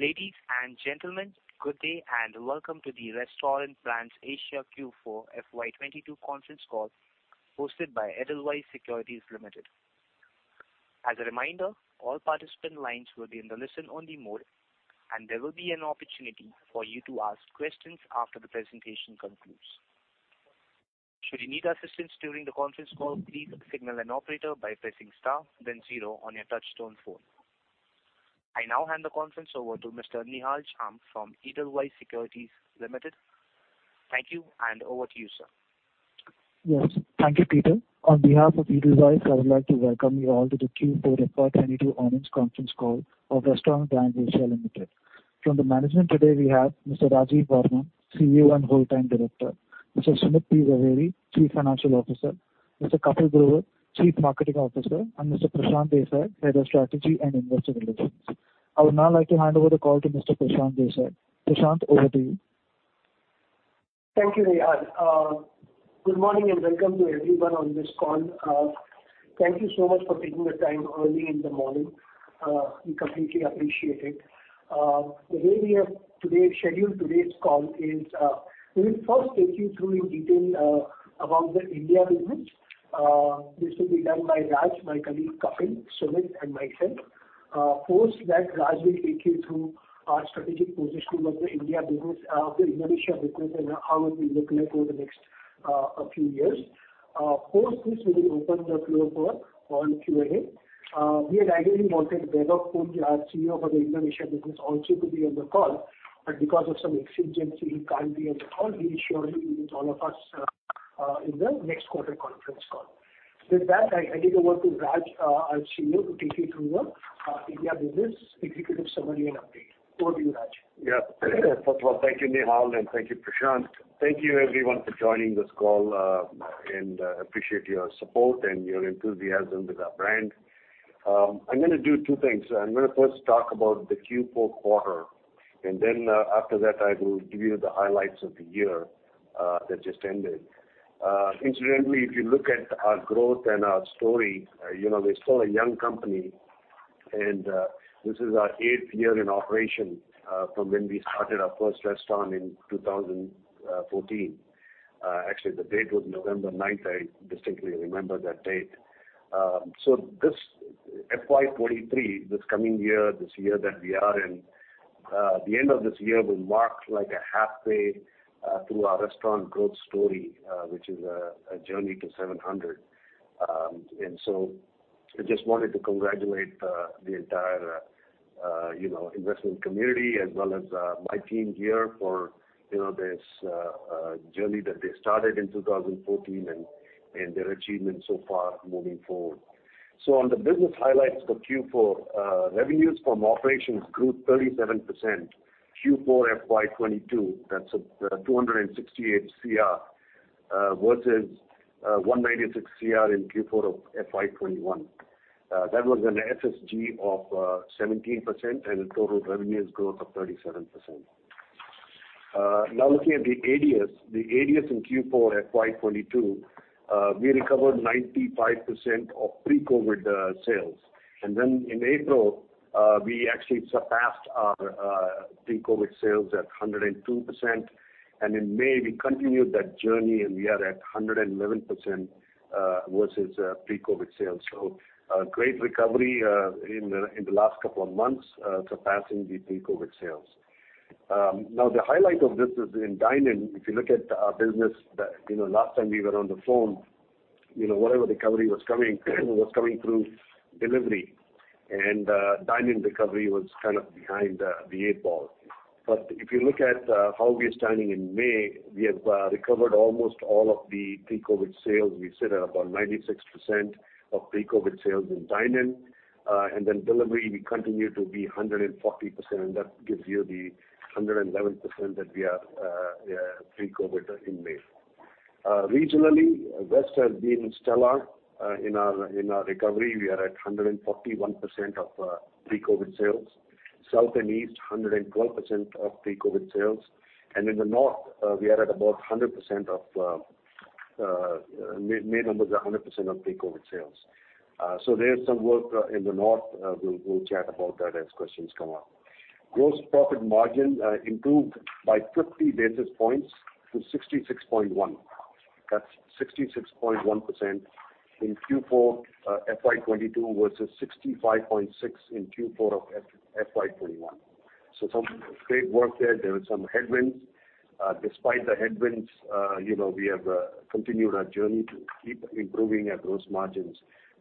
Ladies, and gentlemen, good day, and welcome to the Restaurant Brands Asia Q4 FY 2022 Conference Call hosted by Edelweiss Securities Limited. As a reminder, all participant lines will be in the listen-only mode, and there will be an opportunity for you to ask questions after the presentation concludes. Should you need assistance during the conference call, please signal an operator by pressing star then zero on your touchtone phone. I now hand the conference over to Mr. Nihal Jham from Edelweiss Securities Limited. Thank you, and over to you, sir. Yes. Thank you, Peter. On behalf of Edelweiss, I would like to welcome you all to the Q4 FY 2022 earnings conference call of Restaurant Brands Asia Limited. From the management today, we have Mr. Rajeev Varman, CEO and Whole Time Director, Mr. Sumit P. Zaveri, Chief Financial Officer, Mr. Kapil Grover, Chief Marketing Officer, and Mr. Prashant Desai, Head of Strategy and Investor Relations. I would now like to hand over the call to Mr. Prashant Desai. Prashant, over to you. Thank you, Nihal. Good morning and welcome to everyone on this call. Thank you so much for taking the time early in the morning. We completely appreciate it. The way we have scheduled today's call is, we will first take you through in detail about the India business. This will be done by Raj, my colleague Kapil, Sumit, and myself. Post that, Raj will take you through our strategic positioning of the India business, the Indonesia business and how it will look like over the next few years. Post this, we will open the floor for oral Q&A. We had ideally wanted Vaibhav Punj, our CEO for the Indonesia business, also to be on the call. Because of some exigency, he can't be on the call. He'll surely be with all of us in the next quarter conference call. With that, I give over to Raj, our CEO, to take you through the India business executive summary and update. Over to you, Raj. Yeah. First of all, thank you, Nihal, and thank you, Prashant. Thank you everyone for joining this call, and appreciate your support and your enthusiasm with our brand. I'm gonna do two things. I'm gonna first talk about the Q4 quarter, and then, after that, I will give you the highlights of the year, that just ended. Incidentally, if you look at our growth and our story, you know, we're still a young company and, this is our eighth year in operation, from when we started our first restaurant in 2014. Actually the date was November 9th. I distinctly remember that date. This FY 2023, this coming year, this year that we are in, the end of this year will mark like a halfway through our restaurant growth story, which is a journey to 700. I just wanted to congratulate the entire you know investment community as well as my team here for you know this journey that they started in 2014 and their achievements so far moving forward. On the business highlights for Q4, revenues from operations grew 37%. Q4 FY 2022, that's at 268 crore versus 196 crore in Q4 of FY 2021. That was an SSG of 17% and a total revenues growth of 37%. Now looking at the ADS. The ADS in Q4 FY 2022, we recovered 95% of pre-COVID sales. Then in April, we actually surpassed our pre-COVID sales at 102%. In May, we continued that journey, and we are at 111% versus pre-COVID sales. Great recovery in the last couple of months, surpassing the pre-COVID sales. Now the highlight of this is in dine-in. If you look at our business that, you know, last time we were on the phone, you know, whatever recovery was coming was coming through delivery and dine-in recovery was kind of behind the eight ball. If you look at how we are standing in May, we have recovered almost all of the pre-COVID sales. We sit at about 96% of pre-COVID sales in dine-in. Delivery, we continue to be 140%, and that gives you the 111% that we are pre-COVID in May. Regionally, West has been stellar in our recovery. We are at 141% of pre-COVID sales. South and East, 112% of pre-COVID sales. In the North, we are at about 100%. May numbers are 100% of pre-COVID sales. There's some work in the North. We'll chat about that as questions come up. Gross profit margin improved by 50 basis points to 66.1%. That's 66.1% in Q4 FY 2022 versus 65.6% in Q4 of FY 2021. Some great work there. There were some headwinds. Despite the headwinds, you know, we have continued our journey to keep improving at gross margins.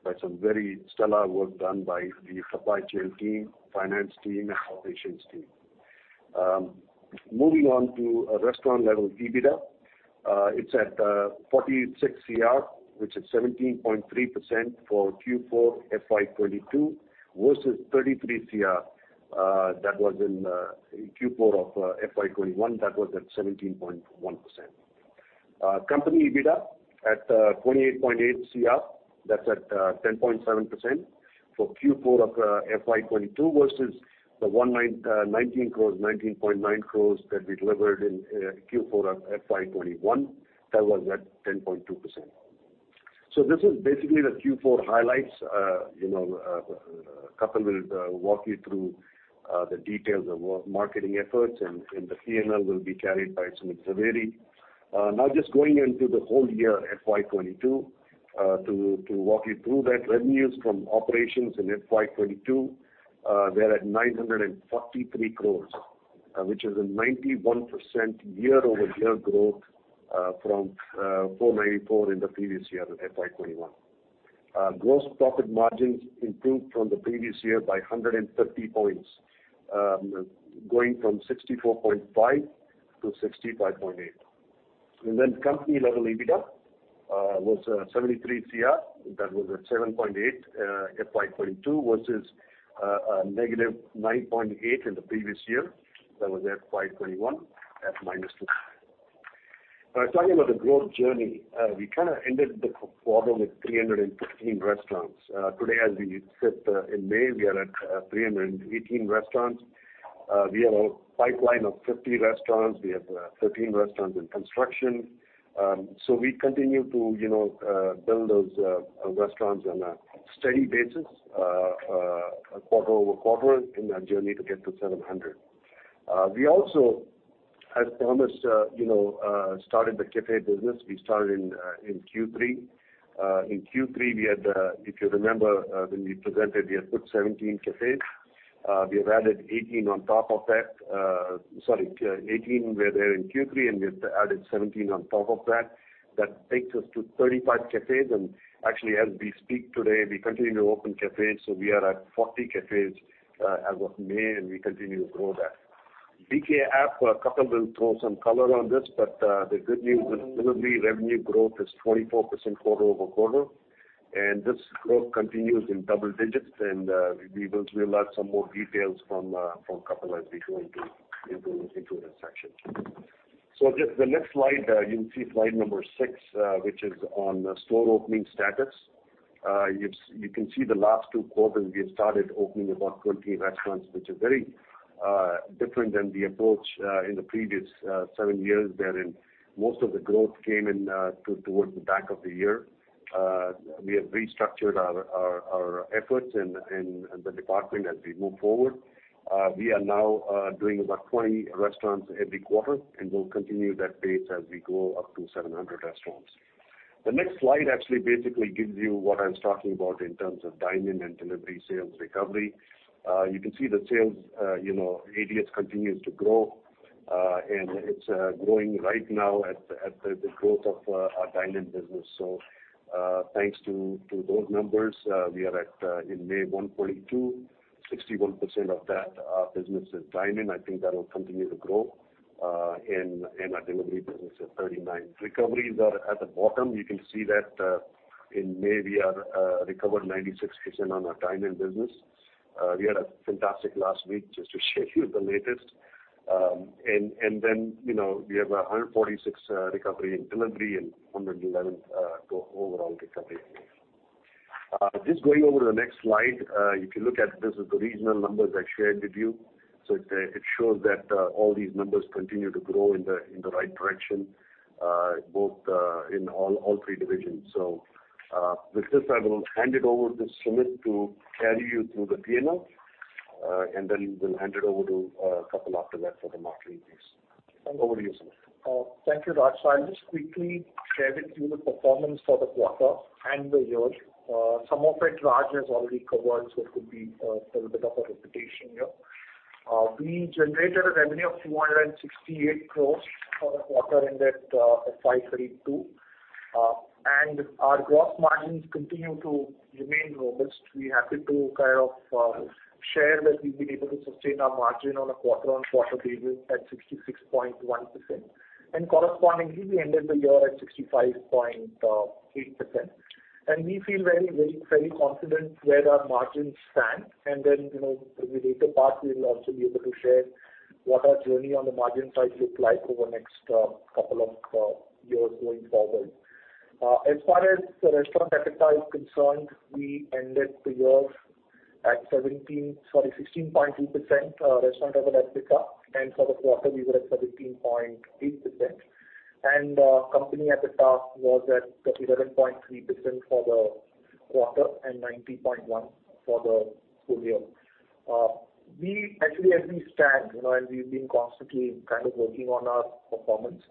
That's some very stellar work done by the supply chain team, finance team, and operations team. Moving on to restaurant level EBITDA. It's at 46 crore, which is 17.3% for Q4 FY 2022 versus INR 33 crore in Q4 FY 2021. That was at 17.1%. Company EBITDA at 28.8 crore. That's at 10.7% for Q4 FY 2022 versus 19.9 crore that we delivered in Q4 FY 2021. That was at 10.2%. This is basically the Q4 highlights. You know, Kapil will walk you through the details of our marketing efforts and the P&L will be carried by Sumit Zaveri. Now just going into the whole year FY 2022 to walk you through that. Revenues from operations in FY 2022 were at 943 crores, which is a 91% year-over-year growth from 494 in the previous year, FY 2021. Gross profit margins improved from the previous year by 130 points, going from 64.5%-65.8%. Then company level EBITDA was 73 crores. That was at 7.8% FY 2022 versus -9.8% in the previous year. That was FY 2021 at -2. Talking about the growth journey, we kind of ended the quarter with 315 restaurants. Today as we sit in May, we are at 318 restaurants. We have a pipeline of 50 restaurants. We have 13 restaurants in construction. We continue to, you know, build those restaurants on a steady basis, quarter-over-quarter in our journey to get to 700. We also, as promised, you know, started the cafe business. We started in Q3. In Q3, we had, if you remember, when we presented, we had put 17 cafes. We have added 18 on top of that. Sorry, 18 were there in Q3, and we have added 17 on top of that. That takes us to 35 cafes. Actually, as we speak today, we continue to open cafes, so we are at 40 cafes, as of May, and we continue to grow that. BK app, Kapil will throw some color on this, but, the good news is delivery revenue growth is 24% quarter-over-quarter. This growth continues in double digits, and, we will reveal out some more details from Kapil as we go into this section. Just the next slide, you'll see slide number six, which is on store opening status. You can see the last two quarters, we have started opening about 20 restaurants, which is very, different than the approach, in the previous, seven years wherein most of the growth came in, towards the back of the year. We have restructured our efforts and the department as we move forward. We are now doing about 20 restaurants every quarter, and we'll continue that pace as we go up to 700 restaurants. The next slide actually basically gives you what I was talking about in terms of dine-in and delivery sales recovery. You can see the sales, you know, ADS continues to grow. It's growing right now at the growth of our dine-in business. Thanks to those numbers, we are at INR 142 in May. 61% of that business is dine-in. I think that will continue to grow. Our delivery business is 39%. Recoveries are at the bottom. You can see that in May we have recovered 96% on our dine-in business. We had a fantastic last week just to share with you the latest. You know, we have a 146% recovery in delivery and 111% overall recovery. Just going over to the next slide. If you look at this is the regional numbers I shared with you. It shows that all these numbers continue to grow in the right direction both in all three divisions. With this, I will hand it over to Sumit to carry you through the P&L. Then we'll hand it over to Kapil after that for the marketing piece. Over to you, Sumit. Thank you, Raj. I'll just quickly share with you the performance for the quarter and the year. Some of it Raj has already covered, so it could be a little bit of a repetition here. We generated revenue of 268 crore for the quarter and INR 532 crore. Our gross margins continue to remain robust. We're happy to kind of share that we've been able to sustain our margin on a quarter-on-quarter basis at 66.1%. Correspondingly, we ended the year at 65.8%. We feel very confident where our margins stand. Then, you know, the later part, we'll also be able to share what our journey on the margin side look like over the next couple of years going forward. As far as the restaurant EBITDA is concerned, we ended the year at 16.2% restaurant level EBITDA. For the quarter, we were at 17.8%. Company EBITDA was at 13.3% for the quarter and 19.1% for the full year. Actually, as we stand, you know, and we've been constantly kind of working on our performance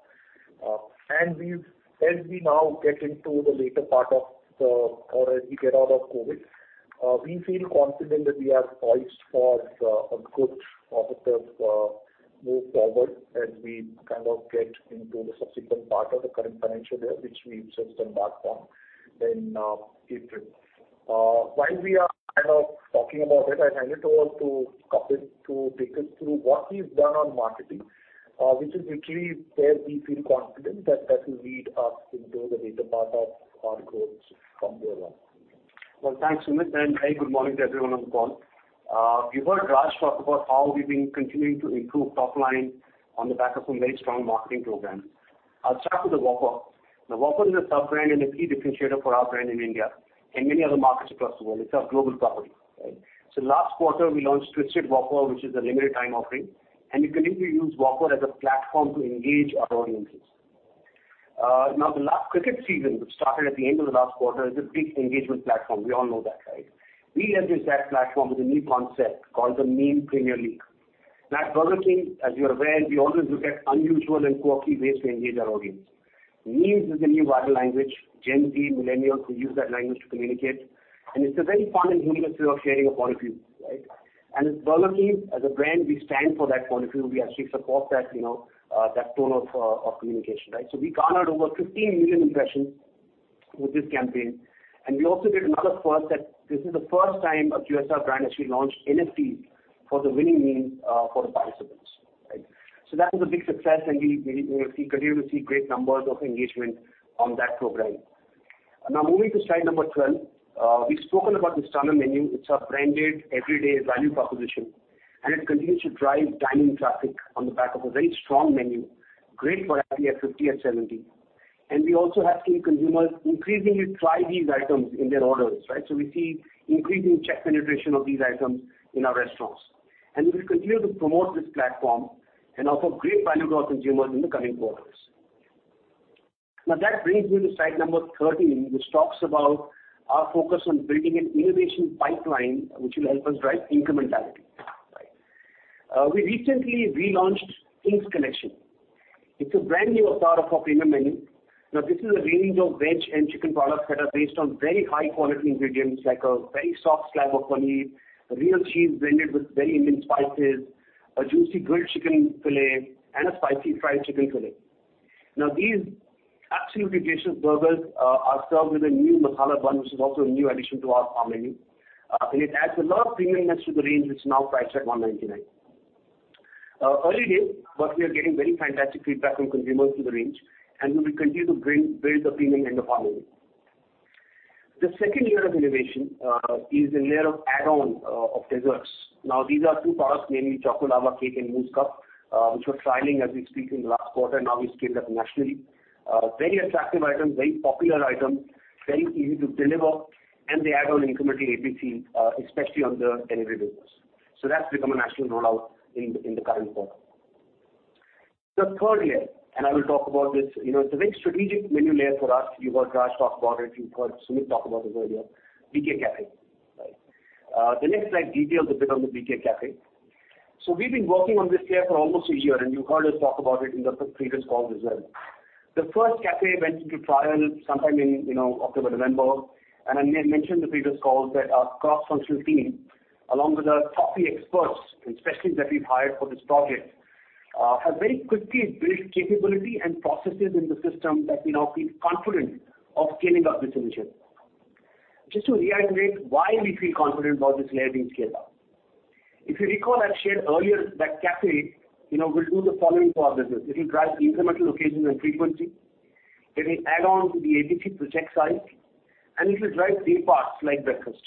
as we now get into the later part or as we get out of COVID, we feel confident that we are poised for a good positive move forward as we kind of get into the subsequent part of the current financial year, which we observe some data on in April. While we are kind of talking about it, I'll hand it over to Kapil to take us through what he's done on marketing, which is actually where we feel confident that that will lead us into the later part of our growth from hereon. Well, thanks, Sumit, and a very good morning to everyone on the call. You heard Raj talk about how we've been continuing to improve top line on the back of some very strong marketing programs. I'll start with the Whopper. The Whopper is a sub-brand and a key differentiator for our brand in India. In many other markets across the world. It's our global property, right? So last quarter, we launched Twisted Whopper, which is a limited-time offering, and we continue to use Whopper as a platform to engage our audiences. Now the last cricket season, which started at the end of the last quarter, is a big engagement platform. We all know that, right? We used that platform with a new concept called the Meme Premier League. At Burger King, as you are aware, we always look at unusual and quirky ways to engage our audience. Memes is the new viral language. Gen Z, Millennials will use that language to communicate, and it's a very fun and humorous way of sharing a point of view, right? As Burger King, as a brand, we stand for that point of view. We actually support that, you know, that tone of communication, right? We garnered over 15 million impressions with this campaign, and we also did another first, that this is the first time a QSR brand actually launched NFTs for the winning meme, for the participants, right? That was a big success, and we continue to see great numbers of engagement on that program. Now moving to slide number 12. We've spoken about the Stunner Menu. It's our branded everyday value proposition, and it continues to drive dine-in traffic on the back of a very strong menu, great for RP at 50 and 70. We also have seen consumers increasingly try these items in their orders, right? We see increasing check penetration of these items in our restaurants. We will continue to promote this platform and offer great value to our consumers in the coming quarters. Now that brings me to slide number 13, which talks about our focus on building an innovation pipeline which will help us drive incrementality, right? We recently relaunched King's Collection. It's a brand-new avatar of our premium menu. Now this is a range of veg and chicken products that are based on very high quality ingredients, like a very soft slab of paneer, real cheese blended with very Indian spices, a juicy grilled chicken filet, and a spicy fried chicken filet. Now these absolutely delicious burgers are served with a new masala bun, which is also a new addition to our core menu, and it adds a lot of premiumness to the range. It's now priced at 199. Early days, but we are getting very fantastic feedback from consumers to the range, and we will continue to build the premium end of our menu. The second layer of innovation is a layer of add-on of desserts. Now these are two products, namely Choco Lava Cake and Mousse Cup, which we're trialing as we speak in the last quarter. Now we scaled up nationally. Very attractive items, very popular items, very easy to deliver, and they add on incremental APC, especially on the delivery business. That's become a national rollout in the current quarter. The third layer, I will talk about this, you know, it's a very strategic menu layer for us. You heard Rajeev talk about it. You heard Sumit talk about it earlier. BK Cafe, right? The next slide details a bit on the BK Cafe. We've been working on this layer for almost a year, and you heard us talk about it in the pre-previous calls as well. The first cafe went into trial sometime in, you know, October, November, and I mentioned in the previous calls that our cross-functional team, along with our coffee experts and specialists that we've hired for this project, have very quickly built capability and processes in the system that we now feel confident of scaling up this initiative. Just to reiterate why we feel confident about this layer being scaled up. If you recall, I shared earlier that cafe, you know, will do the following for our business. It will drive incremental occasions and frequency, it will add on to the APC project size, and it will drive day parts like breakfast.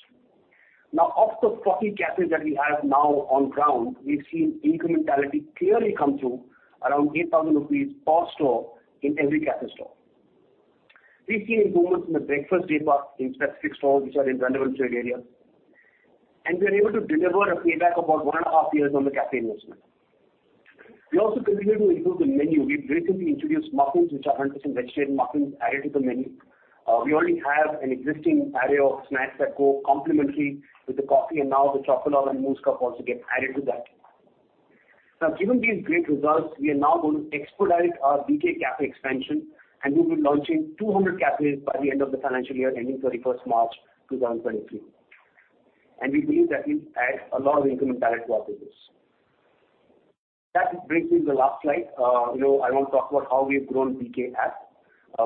Now of the 40 cafes that we have now on ground, we've seen incrementality clearly come through around 8,000 rupees per store in every cafe store. We've seen improvements in the breakfast day part in specific stores which are in relevant trade area, and we are able to deliver a payback of about one and a half years on the cafe investment. We also continue to improve the menu. We've recently introduced muffins, which are 100% vegetarian muffins added to the menu. We already have an existing array of snacks that go complementarily with the coffee, and now the Choco Lava and Mousse Cup also get added to that. Given these great results, we are now going to expedite our BK Cafe expansion, and we'll be launching 200 cafes by the end of the financial year ending 31st of March 2023, and we believe that will add a lot of incrementality to our business. That brings me to the last slide. You know, I want to talk about how we've grown BK app.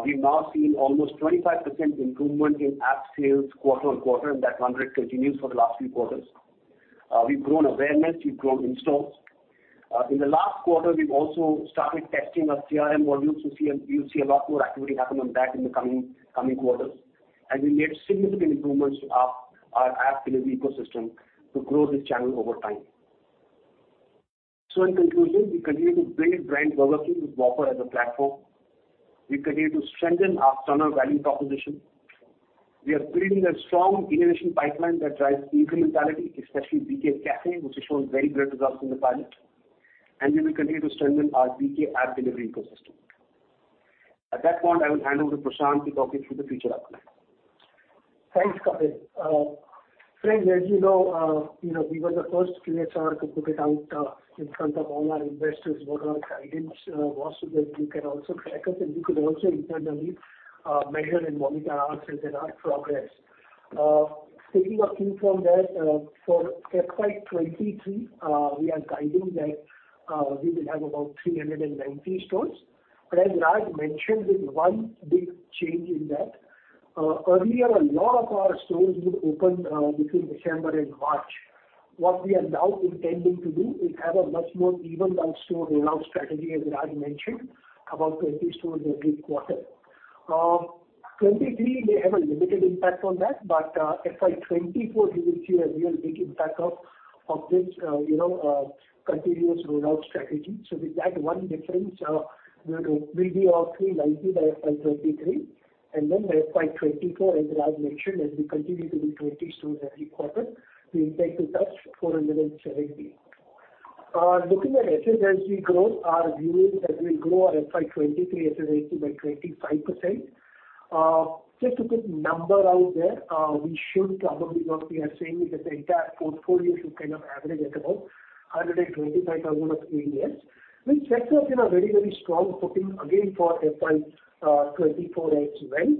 We've now seen almost 25% improvement in app sales quarter-on-quarter, and that run rate continues for the last few quarters. We've grown awareness, we've grown installs. In the last quarter, we've also started testing our CRM module, so you'll see a lot more activity happen on that in the coming quarters. We made significant improvements to our app delivery ecosystem to grow this channel over time. In conclusion, we continue to build brand Burger King with Whopper as a platform. We continue to strengthen our Stunner value proposition. We are creating a strong innovation pipeline that drives incrementality, especially BK Cafe, which has shown very great results in the pilot. We will continue to strengthen our BK app delivery ecosystem. At that point, I will hand over to Prashant to talk you through the future outlook. Thanks, Kapil. Friends, as you know, you know, we were the first QSR to put it out in front of all our investors what our guidance was so that you can also track us and you could also internally measure and monitor us and then our progress. Taking a cue from that, for FY 2023, we are guiding that we will have about 390 stores. But as Rajeev mentioned, there's one big change in that. Earlier, a lot of our stores would open between December and March. What we are now intending to do is have a much more evened out store rollout strategy, as Rajeev mentioned, about 20 stores every quarter. FY 2023 may have a limited impact on that, but FY 2024 you will see a real big impact of this, you know, continuous rollout strategy. With that one difference, we'll be roughly 90 by FY 2023, and then by FY 2024, as Raj mentioned, as we continue to do 20 stores every quarter, we intend to touch 470. Looking at SSSG growth, our view is that we'll grow our FY 2023 ADS by 25%. Just to put number out there, we should probably because we are saying that the entire portfolio should kind of average at about 125,000 of ADS. Which sets us in a very, very strong footing again for FY 2024 as well.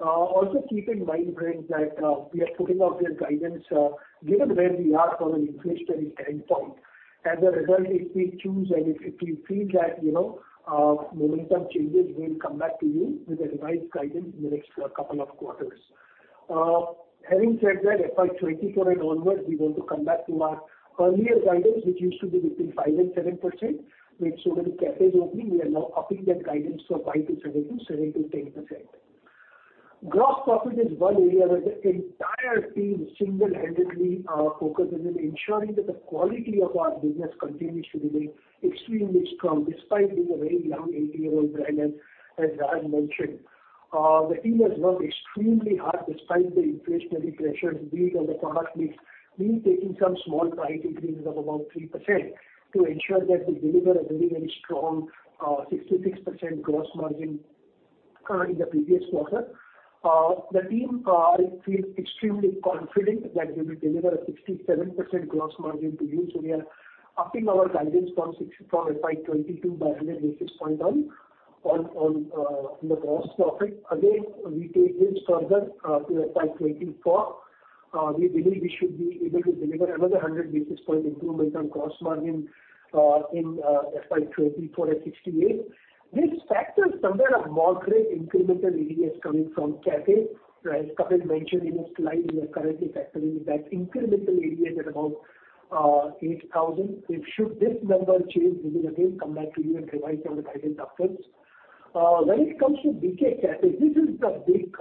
Also keep in mind, [the point], that we are putting out this guidance given where we are from an inflationary standpoint. As a result, if we feel that, you know, momentum changes, we'll come back to you with a revised guidance in the next couple of quarters. Having said that, FY 2024 and onwards, we want to come back to our earlier guidance, which used to be between 5%-7%. With so many cafes opening, we are now upping that guidance for 5%-7% to 7%-10%. Gross profit is one area where the entire team single-handedly are focused on ensuring that the quality of our business continues to remain extremely strong, despite being a very young eight-year-old brand, as Raj mentioned. The team has worked extremely hard despite the inflationary pressures being on the product mix. We've taken some small price increases of about 3% to ensure that we deliver a very, very strong 66% gross margin in the previous quarter. The team feels extremely confident that we will deliver a 67% gross margin to you. We are upping our guidance from FY 2022 by 100 basis points on the gross profit. Again, we take this further to FY 2024. We believe we should be able to deliver another 100 basis points improvement on gross margin in FY 2024 at 68%. This factors in a moderate incremental ADS coming from cafe. As Kapil mentioned in his slide, we are currently factoring in that incremental ADS at about 8,000. If this number should change, we will again come back to you and revise on the guidance afterwards. When it comes to BK Cafe, this is the big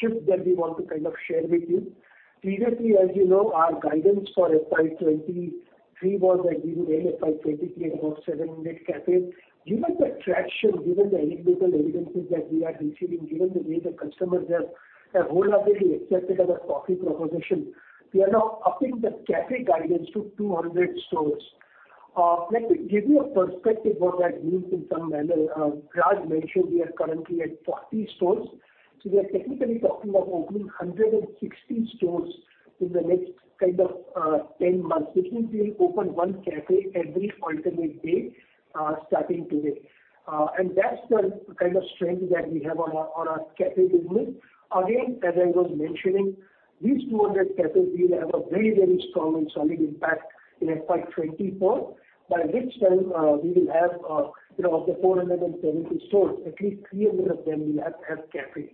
shift that we want to kind of share with you. Previously, as you know, our guidance for FY 2023 was that we would end FY 2023 at about 700 cafes. Given the traction, given the anecdotal evidences that we are receiving, given the way the customers have wholeheartedly accepted as a coffee proposition, we are now upping the cafe guidance to 200 stores. Let me give you a perspective what that means in some manner. Raj mentioned we are currently at 40 stores. We are technically talking about opening 160 stores in the next kind of 10 months, which means we'll open one cafe every alternate day starting today. That's the kind of strength that we have on our cafe business. Again, as I was mentioning, these 200 cafes will have a very, very strong and solid impact in FY 2024. By which time, we will have, you know, of the 470 stores, at least 300 of them will have cafe.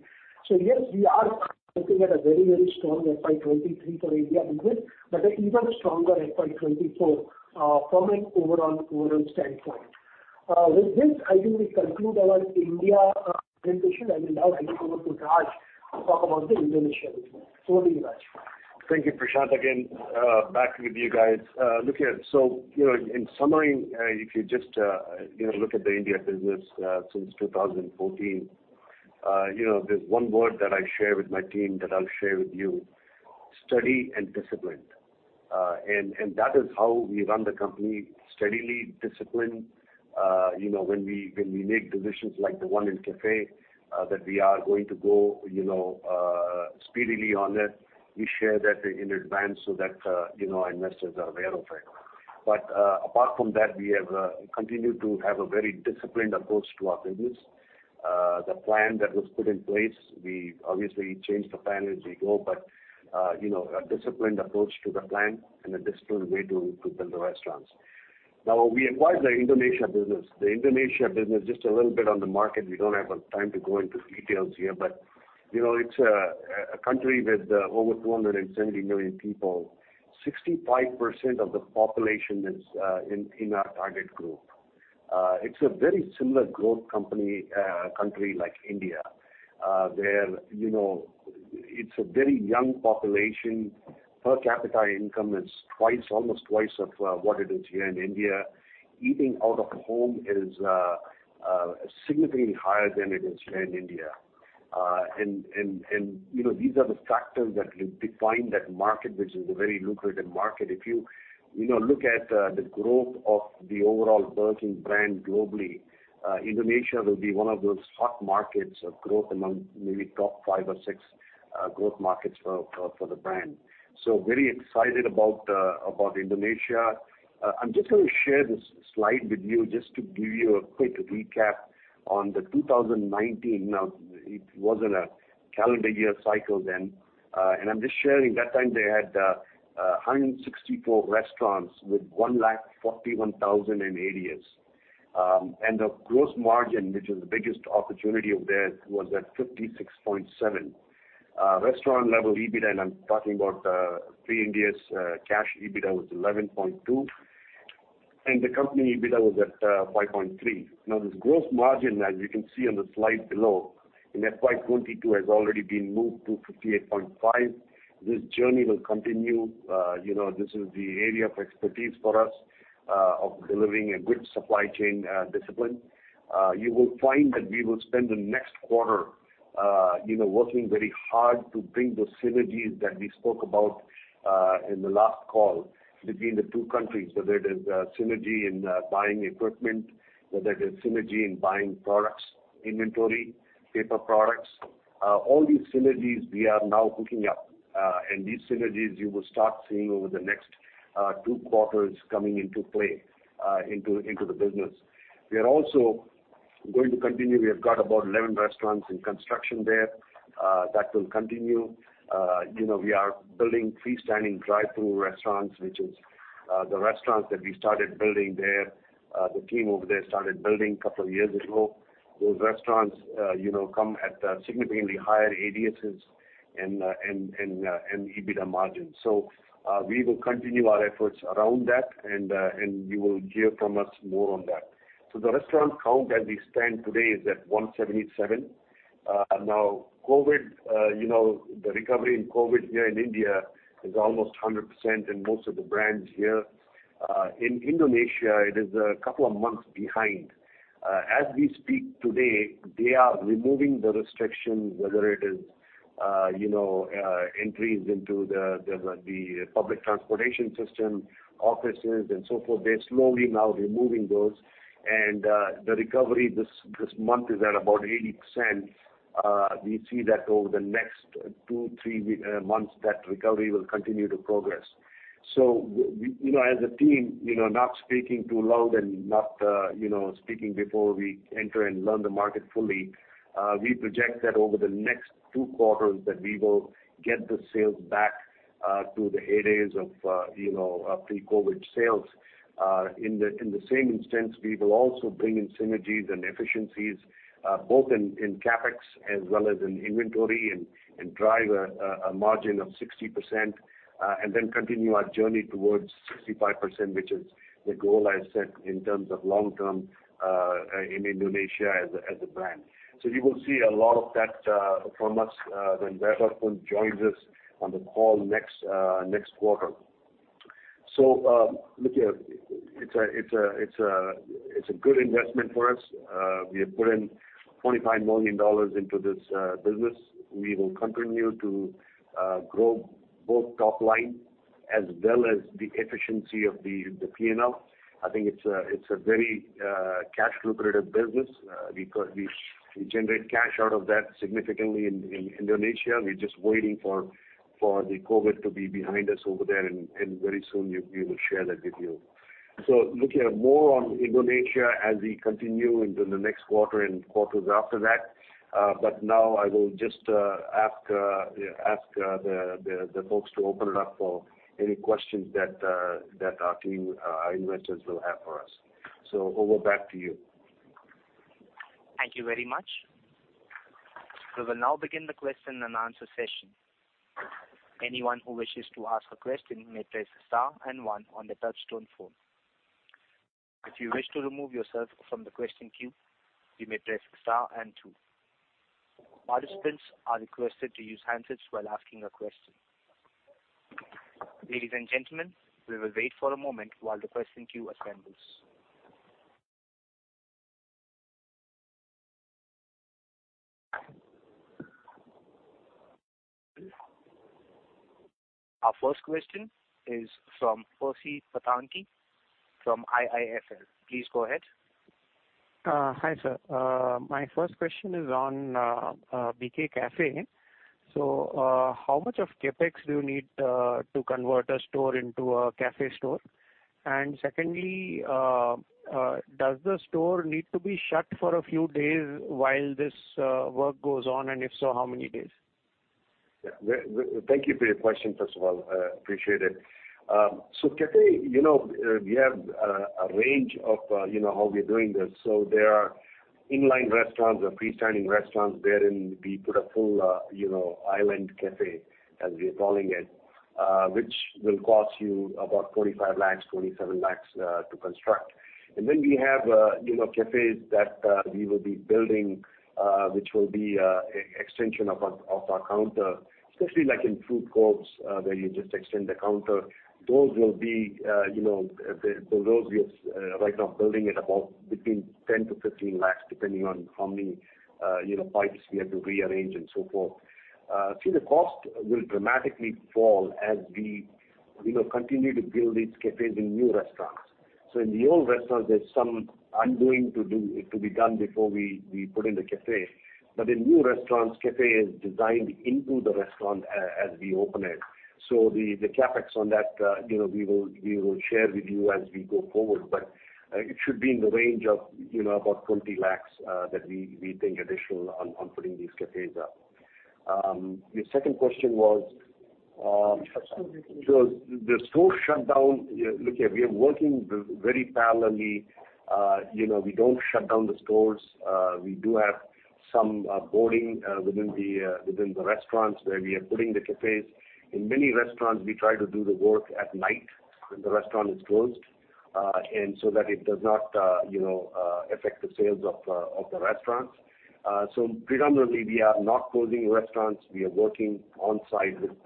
Yes, we are looking at a very, very strong FY 2023 for India business. An even stronger FY 2024 from an overall standpoint. With this, I think we conclude our India presentation. I will now hand it over to Raj to talk about the Indonesia business. Over to you, Raj. Thank you, Prashant. Again, back with you guys. In summary, if you just, you know, look at the India business, since 2014, you know, there's one word that I share with my team that I'll share with you, steady and disciplined. That is how we run the company steadily, disciplined. You know, when we make decisions like the one in cafe, that we are going to go, you know, speedily on it, we share that in advance so that, you know, investors are aware of it. Apart from that, we have continued to have a very disciplined approach to our business. The plan that was put in place, we obviously change the plan as we go, but you know, a disciplined approach to the plan and a disciplined way to build the restaurants. Now, we acquired the Indonesia business. The Indonesia business, just a little bit on the market, we don't have the time to go into details here. You know, it's a country with over 270 million people. 65% of the population is in our target group. It's a very similar growth country like India, where you know, it's a very young population. Per capita income is twice, almost twice of what it is here in India. Eating out of home is significantly higher than it is here in India. You know, these are the factors that will define that market, which is a very lucrative market. If you know, look at the growth of the overall Burger King brand globally, Indonesia will be one of those hot markets of growth among maybe top five or six growth markets for the brand. Very excited about Indonesia. I'm just gonna share this slide with you just to give you a quick recap on 2019. Now, it wasn't a calendar year cycle then. I'm just sharing that time they had 164 restaurants with 141,000 in ADAs. The gross margin, which is the biggest opportunity of theirs, was at 56.7%. Restaurant level EBITDA, and I'm talking about pre-Ind AS cash EBITDA, was 11.2%. The company EBITDA was at 5.3%. Now, this gross margin, as you can see on the slide below, in FY 2022 has already been moved to 58.5%. This journey will continue. You know, this is the area of expertise for us, of delivering a good supply chain discipline. You will find that we will spend the next quarter, you know, working very hard to bring those synergies that we spoke about in the last call between the two countries, whether it is synergy in buying equipment, whether it is synergy in buying products, inventory, paper products. All these synergies we are now hooking up. These synergies you will start seeing over the next two quarters coming into play into the business. We are also going to continue. We have got about 11 restaurants in construction there that will continue. You know, we are building freestanding drive-through restaurants, which is the restaurants that we started building there. The team over there started building a couple of years ago. Those restaurants, you know, come at significantly higher ADSs and EBITDA margins. We will continue our efforts around that and you will hear from us more on that. The restaurant count as we stand today is at 177. Now COVID, you know, the recovery in COVID here in India is almost 100% in most of the brands here. In Indonesia, it is a couple of months behind. As we speak today, they are removing the restrictions, whether it is, you know, entries into the public transportation system, offices and so forth. They are slowly now removing those. The recovery this month is at about 80%. We see that over the next two, three months, that recovery will continue to progress. We, you know, as a team, you know, not speaking too loud and not, you know, speaking before we enter and learn the market fully, we project that over the next two quarters that we will get the sales back to the heydays of, you know, pre-COVID sales. In the same instance, we will also bring in synergies and efficiencies, both in CapEx as well as in inventory and drive a margin of 60%, and then continue our journey towards 65%, which is the goal I set in terms of long term in Indonesia as a brand. You will see a lot of that from us when Vaibhav Punj joins us on the call next quarter. Look here, it's a good investment for us. We have put in $25 million into this business. We will continue to grow both top line as well as the efficiency of the P&L. I think it's a very cash lucrative business because we generate cash out of that significantly in Indonesia. We're just waiting for the COVID to be behind us over there, and very soon we will share that with you. Looking at more on Indonesia as we continue into the next quarter and quarters after that. Now I will just ask the folks to open it up for any questions that our team and our investors will have for us. Back over to you. Thank you very much. We will now begin the question-and-answer session. Anyone who wishes to ask a question may press star and one on their touchtone phone. If you wish to remove yourself from the question queue, you may press star and two. Participants are requested to use handsets while asking a question. Ladies and gentlemen, we will wait for a moment while the question queue assembles. Our first question is from Percy Panthaki from IIFL. Please go ahead. Hi, sir. My first question is on BK Cafe. How much of CapEx do you need to convert a store into a cafe store? And secondly, does the store need to be shut for a few days while this work goes on? And if so, how many days? Thank you for your question, first of all. Appreciate it. Cafe, you know, we have a range of, you know, how we're doing this. There are inline restaurants or freestanding restaurants wherein we put a full, you know, island cafe as we are calling it, which will cost you about 45 lakhs, 27 lakhs, to construct. We have, you know, cafes that, we will be building, which will be, extension of our, of our counter. Especially like in food courts, where you just extend the counter. Those will be, you know, the, those we are right now building at about between 10-15 lakhs, depending on how many, you know, pipes we have to rearrange and so forth. See, the cost will dramatically fall as we, you know, continue to build these cafes in new restaurants. In the old restaurants, there's some undoing to be done before we put in the cafe. In new restaurants, cafe is designed into the restaurant as we open it. The CapEx on that, you know, we will share with you as we go forward. It should be in the range of, you know, about 20 lakhs that we think additional on putting these cafes up. Your second question was, Store shutdown. The store shutdown, we are working very parallelly. We don't shut down the stores. We do have some boarding within the restaurants where we are putting the cafes. In many restaurants, we try to do the work at night when the restaurant is closed, and so that it does not affect the sales of the restaurants. Predominantly we are not closing restaurants. We are working on site with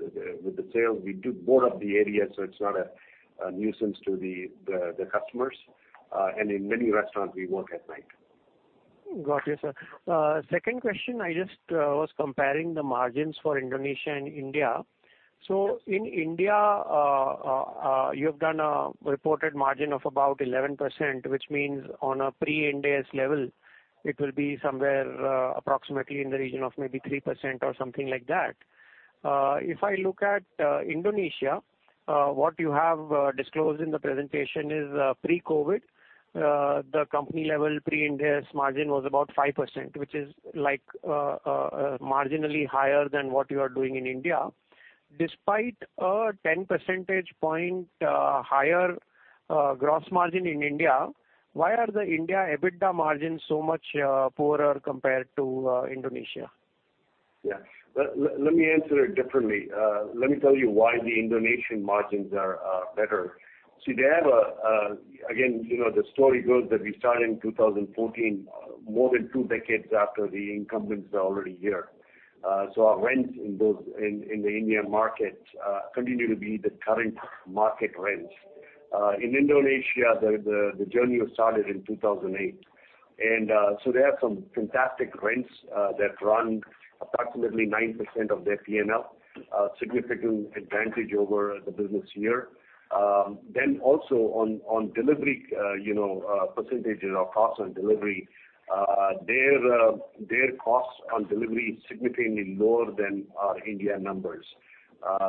the sales. We do board up the area, so it's not a nuisance to the customers. In many restaurants, we work at night. Got you, sir. Second question, I just was comparing the margins for Indonesia and India. In India, you've done a reported margin of about 11%, which means on a pre-Ind AS level, it will be somewhere, approximately in the region of maybe 3% or something like that. If I look at Indonesia, what you have disclosed in the presentation is, pre-COVID, the company level pre-Ind AS margin was about 5%, which is like, marginally higher than what you are doing in India. Despite a 10 percentage point higher gross margin in India, why are the India EBITDA margins so much poorer compared to Indonesia? Yeah. Let me answer it differently. Let me tell you why the Indonesian margins are better. See, they have a. Again, you know, the story goes that we started in 2014, more than two decades after the incumbents were already here. So our rents in those in the India market continue to be the current market rents. In Indonesia, the journey was started in 2008. So they have some fantastic rents that run approximately 9% of their P&L, a significant advantage over the business here. Then also on delivery, you know, percentages or costs on delivery, their costs on delivery is significantly lower than our India numbers.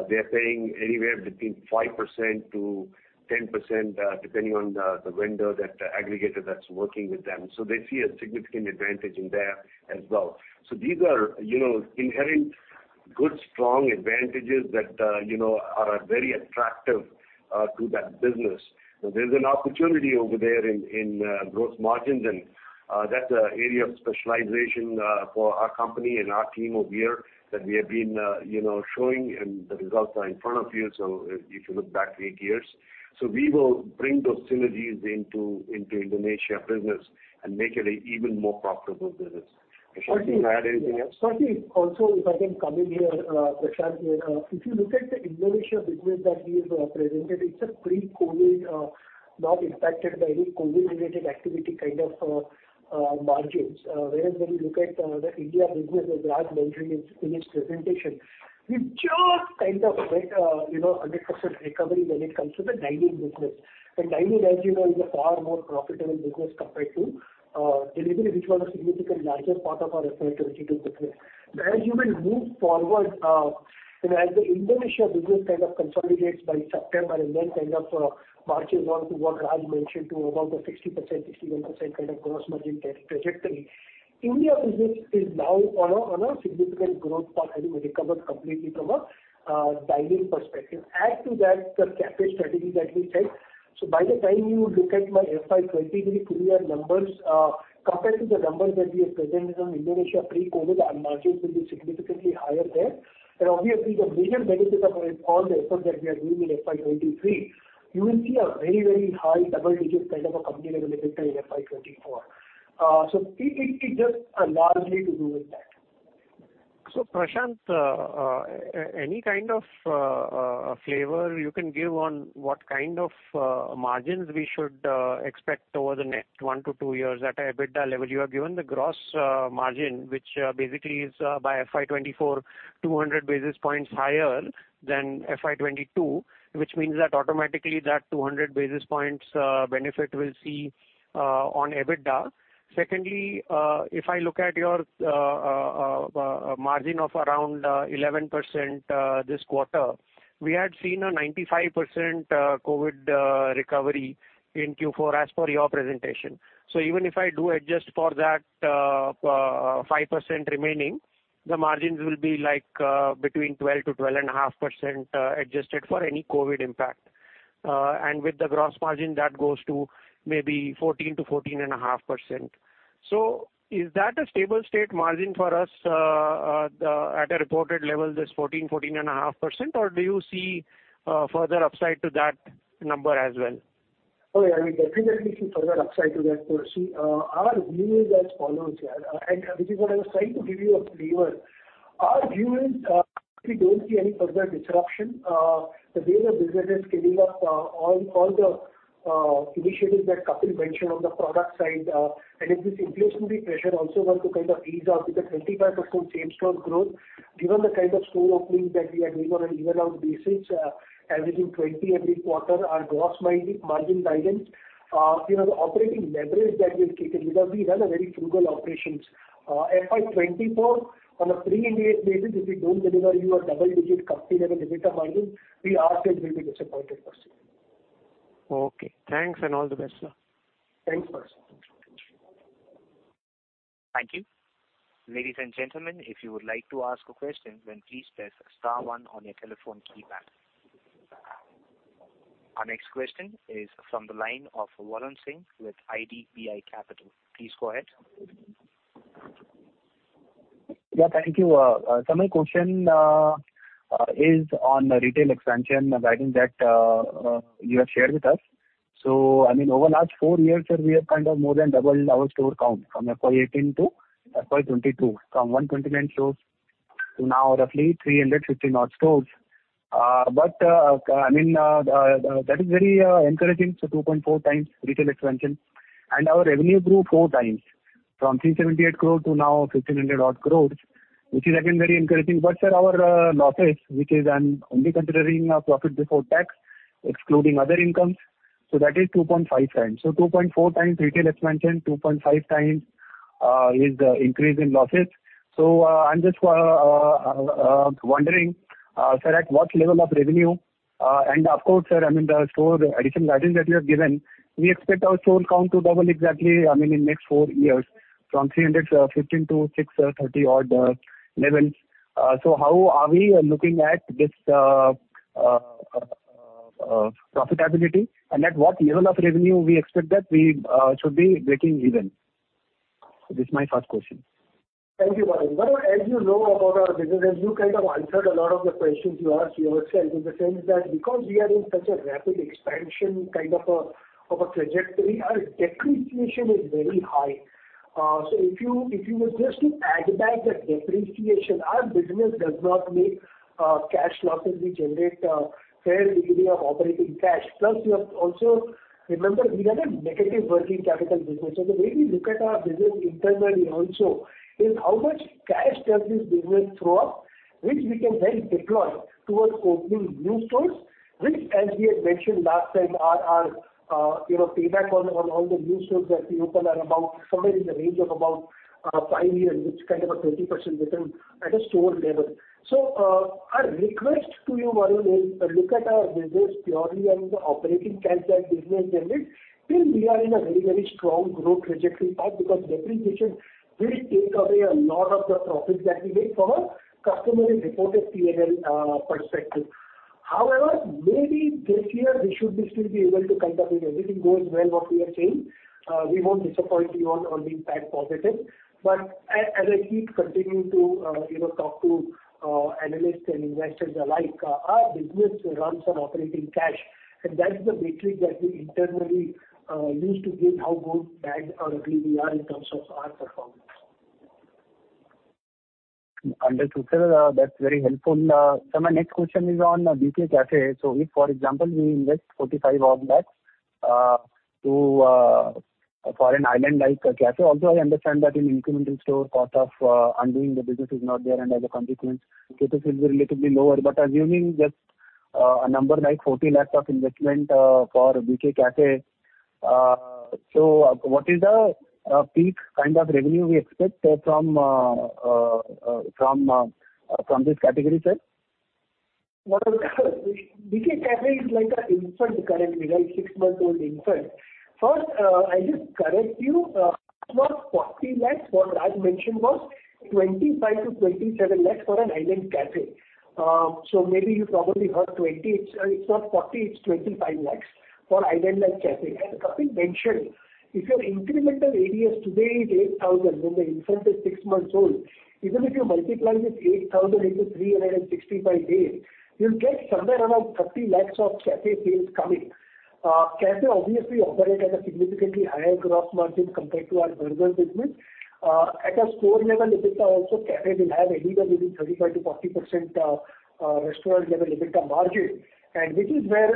They're paying anywhere between 5%-10%, depending on the vendor, that aggregator that's working with them. They see a significant advantage in there as well. These are, you know, inherent good, strong advantages that, you know, are very attractive to that business. There's an opportunity over there in gross margins, and that's an area of specialization for our company and our team over here that we have been, you know, showing, and the results are in front of you, so if you look back eight years. We will bring those synergies into Indonesia business and make it an even more profitable business. Prashant, you add anything else? Prashant here. If you look at the Indonesia business that we have presented, it's a pre-COVID, not impacted by any COVID-related activity kind of margins. Whereas when you look at the India business that Raj mentioned in his presentation, we've just kind of made, you know, 100% recovery when it comes to the dining business. Dining, as you know, is a far more profitable business compared to delivery, which was a significantly larger part of our FY 2022 business. As you will move forward, and as the Indonesia business kind of consolidates by September and then kind of marches on to what Raj mentioned to about a 60%-61% kind of gross margin trajectory, India business is now on a significant growth path, having recovered completely from a dining perspective. Add to that the CapEx strategy that we said. By the time you look at my FY 2023 full-year numbers, compared to the numbers that we have presented on Indonesia pre-COVID, our margins will be significantly higher there. Obviously, the major benefits of all the efforts that we are doing in FY 2023, you will see a very, very high double-digit kind of a company revenue growth in FY 2024. It just largely to do with that. Prashant, any kind of flavor you can give on what kind of margins we should expect over the next one to two years at an EBITDA level? You have given the gross margin, which basically is by FY 2024 200 basis points higher than FY 2022, which means that automatically that 200 basis points benefit we'll see on EBITDA. Secondly, if I look at your margin of around 11% this quarter, we had seen a 95% COVID recovery in Q4 as per your presentation. Even if I do adjust for that 5% remaining, the margins will be like between 12%-12.5%, adjusted for any COVID impact. With the gross margin, that goes to maybe 14%-14.5%. Is that a stable state margin for us, at a reported level, this 14%-14.5%, or do you see further upside to that number as well? Oh, yeah, we definitely see further upside to that, Prashant. Our view is as follows here, and this is what I was trying to give you a flavor. Our view is, if we don't see any further disruption, the way the business is scaling up, all the initiatives that Kapil mentioned on the product side, and if this inflationary pressure also were to kind of ease off with a 25% same-store growth, given the kind of store openings that we are doing on a year-over-year basis, averaging 20 every quarter, our gross margin guidance, you know, the operating leverage that we have created because we run a very frugal operations. FY 2024 on a pre-Ind AS basis, if we don't deliver you a double-digit company revenue EBITDA margin, we ask that you'll be disappointed, Prashant. Okay. Thanks, and all the best, sir. Thanks, Percy. Thank you. Ladies, and gentlemen, if you would like to ask a question, then please press star one on your telephone keypad. Our next question is from the line of Varun Singh with IDBI Capital. Please go ahead. Yeah, thank you. My question is on retail expansion, I think that you have shared with us. I mean, over last four years, sir, we have kind of more than doubled our store count from FY 2018 to FY 2022, from 129 stores to now roughly 350-odd stores. I mean, that is very encouraging. 2.4x retail expansion and our revenue grew four times from 378 crore to now 1,500-odd crores, which is, again, very encouraging. Sir, our profits, which I'm only considering our profit before tax, excluding other income, so that is 2.5x. 2.4x retail expansion, 2.5x is the increase in profits. I'm just wondering, sir, at what level of revenue, and of course, sir, I mean, the store addition guidance that you have given, we expect our store count to double exactly, I mean, in next four years from 315 to 630-odd levels. How are we looking at this profitability and at what level of revenue we expect that we should be breaking even? This is my first question. Thank you, Varun. Varun, as you know about our business, you kind of answered a lot of the questions you asked yourself in the sense that because we are in such a rapid expansion kind of a trajectory, our depreciation is very high. So if you were just to add back that depreciation, our business does not make cash losses. We generate a fair degree of operating cash. Plus, you also have to remember we have a negative working capital business. The way we look at our business internally also is how much cash does this business throw up, which we can then deploy towards opening new stores, which as we had mentioned last time are our, you know, payback on all the new stores that we open are about somewhere in the range of about five years, which is kind of a 20% return at a store level. Our request to you, Varun, is look at our business purely as the operating cash that business generates till we are in a very, very strong growth trajectory path because depreciation will take away a lot of the profits that we make from a customarily reported P&L perspective. However, maybe this year we should still be able to kind of if everything goes well what we are saying, we won't disappoint you on being positive. As I keep continuing to, you know, talk to analysts and investors alike, our business runs on operating cash, and that's the metric that we internally use to gauge how good, bad or ugly we are in terms of our performance. Understood, sir. That's very helpful. Sir, my next question is on BK Cafe. If, for example, we invest 45-odd lakhs for an island-like cafe. Also, I understand that in incremental store cost of doing the business is not there, and as a consequence, CapEx will be relatively lower. Assuming just a number like 40 lakhs of investment for BK Cafe, what is the peak kind of revenue we expect from this category, sir? Varun, BK Cafe is like an infant currently, like six-month-old infant. First, I'll just correct you. It's not 40 lakh. What Raj mentioned was 25-27 lakh for an island cafe. So maybe you probably heard 20. It's not 40, it's 25 lakh for island-like cafe. As Kapil mentioned, if your incremental ADS today is 8,000, when the infant is six months old, even if you multiply this 8,000 into 365 days, you'll get somewhere around 30 lakh of cafe sales coming. Cafe obviously operate at a significantly higher gross margin compared to our burger business. At a store level EBITDA also cafe will have anywhere between 35%-40% restaurant level EBITDA margin. This is where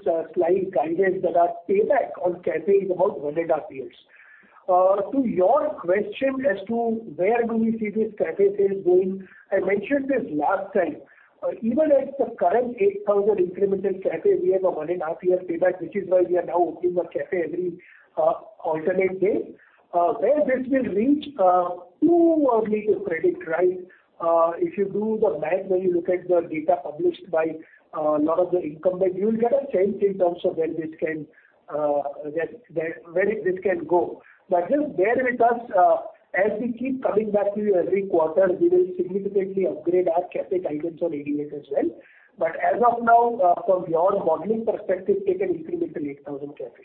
Kapil's slide guidance that our payback on cafe is about one and a half years. To your question as to where do we see this cafe sales going, I mentioned this last time. Even at the current 8,000 incremental cafe, we have a one and a half year payback, which is why we are now opening a cafe every alternate day. Where this will reach, too early to predict, right? If you do the math, when you look at the data published by lot of the incumbents, you'll get a sense in terms of where this can go. Just bear with us. As we keep coming back to you every quarter, we will significantly upgrade our cafe guidance on ADAS as well. As of now, from your modeling perspective, take an incremental 8,000 cafe.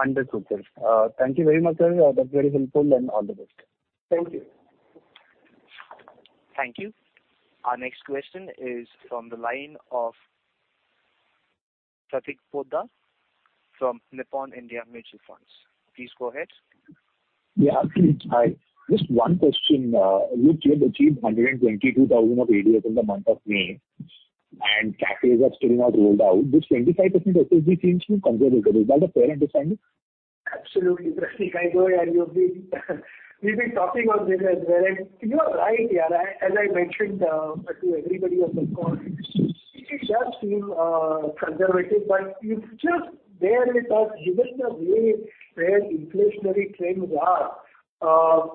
Understood, sir. Thank you very much, sir. That's very helpful and all the best. Thank you. Thank you. Our next question is from the line of Prateek Poddar from Nippon India Mutual Fund. Please go ahead. Yeah. It's Prateek, hi. Just one question. You've achieved 122,000 of ADAS in the month of May, and cafes are still not rolled out. This 25% SSG seems too conservative. Is that a fair understanding? Absolutely, Prateek. I know we've been talking on this as well, and you are right. As I mentioned to everybody on the call, it does seem conservative, but you just bear with us given the way where inflationary trends are.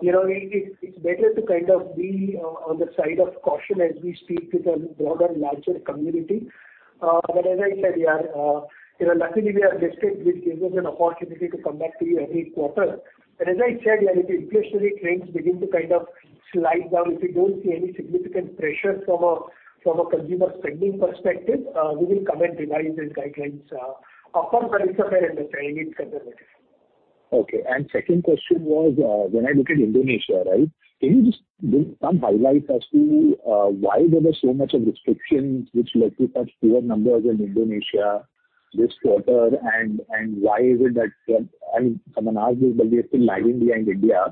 You know, it's better to kind of be on the side of caution as we speak with a broader, larger community. As I said, you know, luckily we are listed, which gives us an opportunity to come back to you every quarter. As I said, if inflationary trends begin to kind of slide down, if we don't see any significant pressure from a consumer spending perspective, we will come and revise these guidelines. Apart from that, it's apparent that they need to be conservative. Okay. Second question was, when I look at Indonesia, right? Can you just do some highlights as to why there was so much of restrictions which led to such poor numbers in Indonesia? This quarter and why is it that, I mean, someone asked this, but we are still lagging behind India.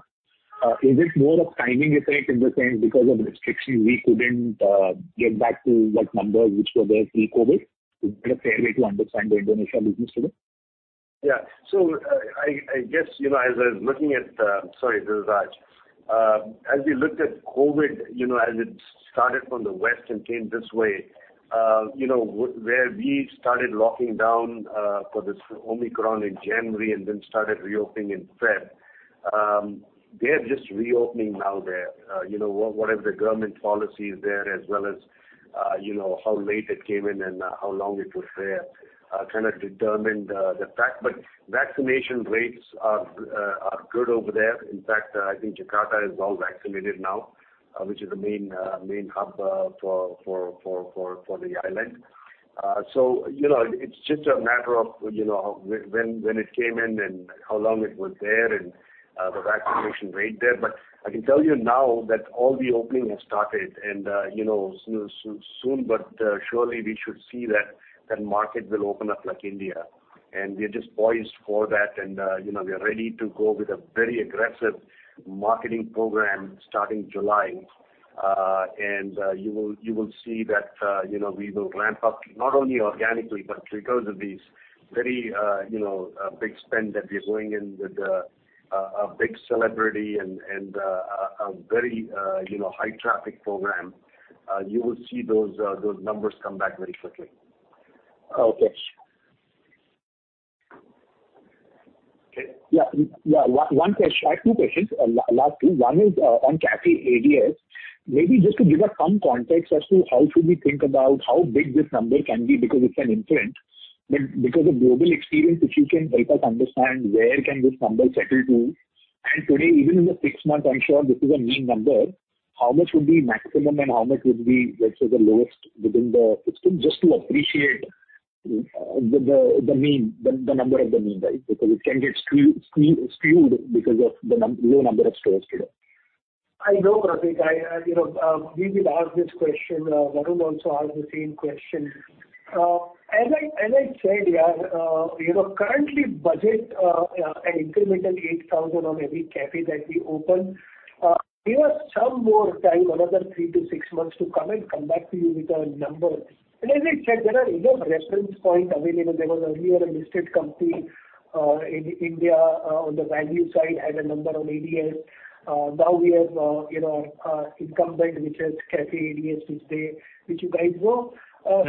Is it more of timing effect in the sense because of restrictions we couldn't get back to what numbers which were there pre-COVID? Is that a fair way to understand the Indonesia business today? I guess, you know, as I was looking at. Sorry, this is Raj. As we looked at COVID, you know, as it started from the West and came this way, you know, where we started locking down for this Omicron in January and then started reopening in February, they're just reopening now there. You know, whatever the government policy is there as well as, you know, how late it came in and how long it was there kind of determined the fact. Vaccination rates are good over there. In fact, I think Jakarta is well vaccinated now, which is the main hub for the island. You know, it's just a matter of, you know, when it came in and how long it was there and the vaccination rate there. I can tell you now that all the opening has started and, you know, soon but surely we should see that market will open up like India. We're just poised for that and, you know, we are ready to go with a very aggressive marketing program starting July. You will see that, you know, we will ramp up not only organically, but because of these very big spend that we are going in with, a big celebrity and a very high traffic program. You will see those numbers come back very quickly. Okay. Okay. One question. I have two questions. Last two. One is on cafe ADS. Maybe just to give us some context as to how we should think about how big this number can be because it's an inference. Because of global experience, if you can help us understand where this number can settle to. Today, even in the six months, I'm sure this is a mean number, how much would be maximum and how much would be, let's say, the lowest within the system, just to appreciate the mean, the number of the mean, right? Because it can get skewed because of the low number of stores today. I know, Prateek. You know, we were asked this question. Varun also asked the same question. As I said, yeah, you know, currently budget an incremental 8,000 on every cafe that we open. Give us some more time, another three to six months to come back to you with a number. As I said, there are other reference points available. There was earlier a listed company in India on the value side had a number on ADS. Now we have, you know, incumbent which has cafe ADS which you guys know. There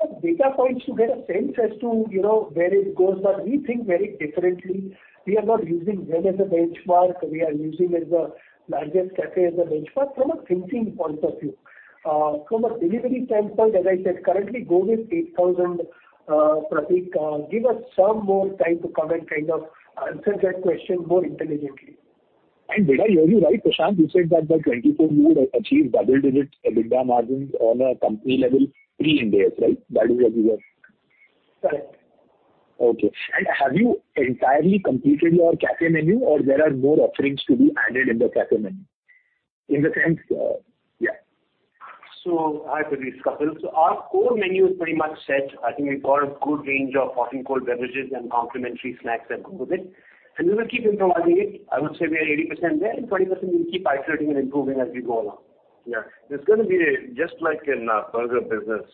are some data points to get a sense as to, you know, where it goes, but we think very differently. We are not using them as a benchmark. We are using McDonald's largest cafe as a benchmark from a thinking point of view. From a delivery standpoint, as I said, currently go with 8,000, Prateek. Give us some more time to come and kind of answer that question more intelligently. Did I hear you right, Prashant? You said that by 2024 you would achieve double-digit EBITDA margins on a company level pre-Ind AS, right? That is what you were. Correct. Okay. Have you entirely completed your cafe menu or there are more offerings to be added in the cafe menu? In the sense? Yeah. Hi, Prateek. It's Kapil. Our core menu is pretty much set. I think we've got a good range of hot and cold beverages and complimentary snacks that go with it. We will keep improving it. I would say we are 80% there and 20% we'll keep iterating and improving as we go along. Yeah. There's gonna be, just like in our burger business,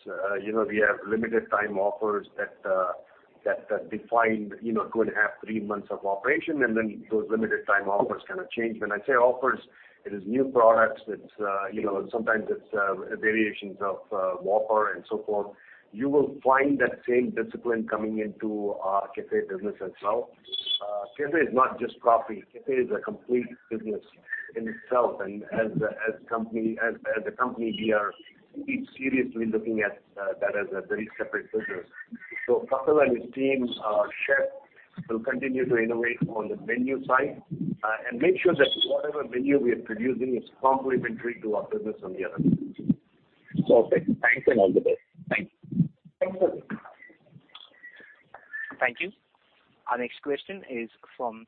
you know, we have limited time offers that define, you know, two and a half, three months of operation, and then those limited time offers kind of change. When I say offers, it is new products. It's, you know, sometimes it's variations of Whopper and so forth. You will find that same discipline coming into our cafe business as well. Cafe is not just coffee. Cafe is a complete business in itself. As a company here, we'll be seriously looking at that as a very separate business. Kapil and his team, our chef will continue to innovate on the menu side, and make sure that whatever menu we are producing is complementary to our business on the other side. Perfect. Thanks and all the best. Thanks. Thanks, Prateek. Thank you. Our next question is from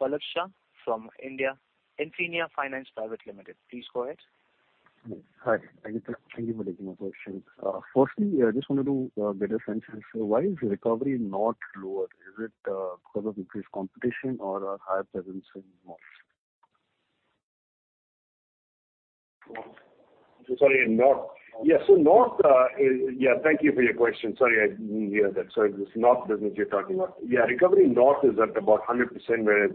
Pallab Shah from Infina Finance Private Limited. Please go ahead. Hi. Thank you for taking my question. Firstly, I just wanted to get a sense as why is recovery not lower? Is it, because of increased competition or a higher presence in North? Sorry, in North? North. Thank you for your question. Sorry, I didn't hear that. Sorry. It's the North business you're talking about. Recovery in North is at about 100%, whereas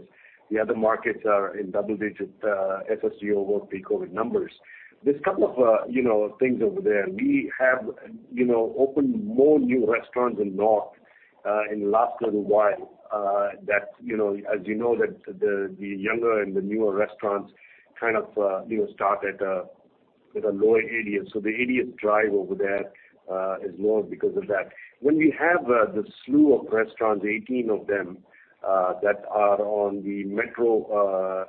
the other markets are in double-digit SSG over pre-COVID numbers. There's a couple of, you know, things over there. We have, you know, opened more new restaurants in North in the last little while, that, you know, as you know, the younger and the newer restaurants kind of, you know, start with a lower ADS. The ADS drive over there is more because of that. We have the slew of restaurants, 18 of them, that are on the metro,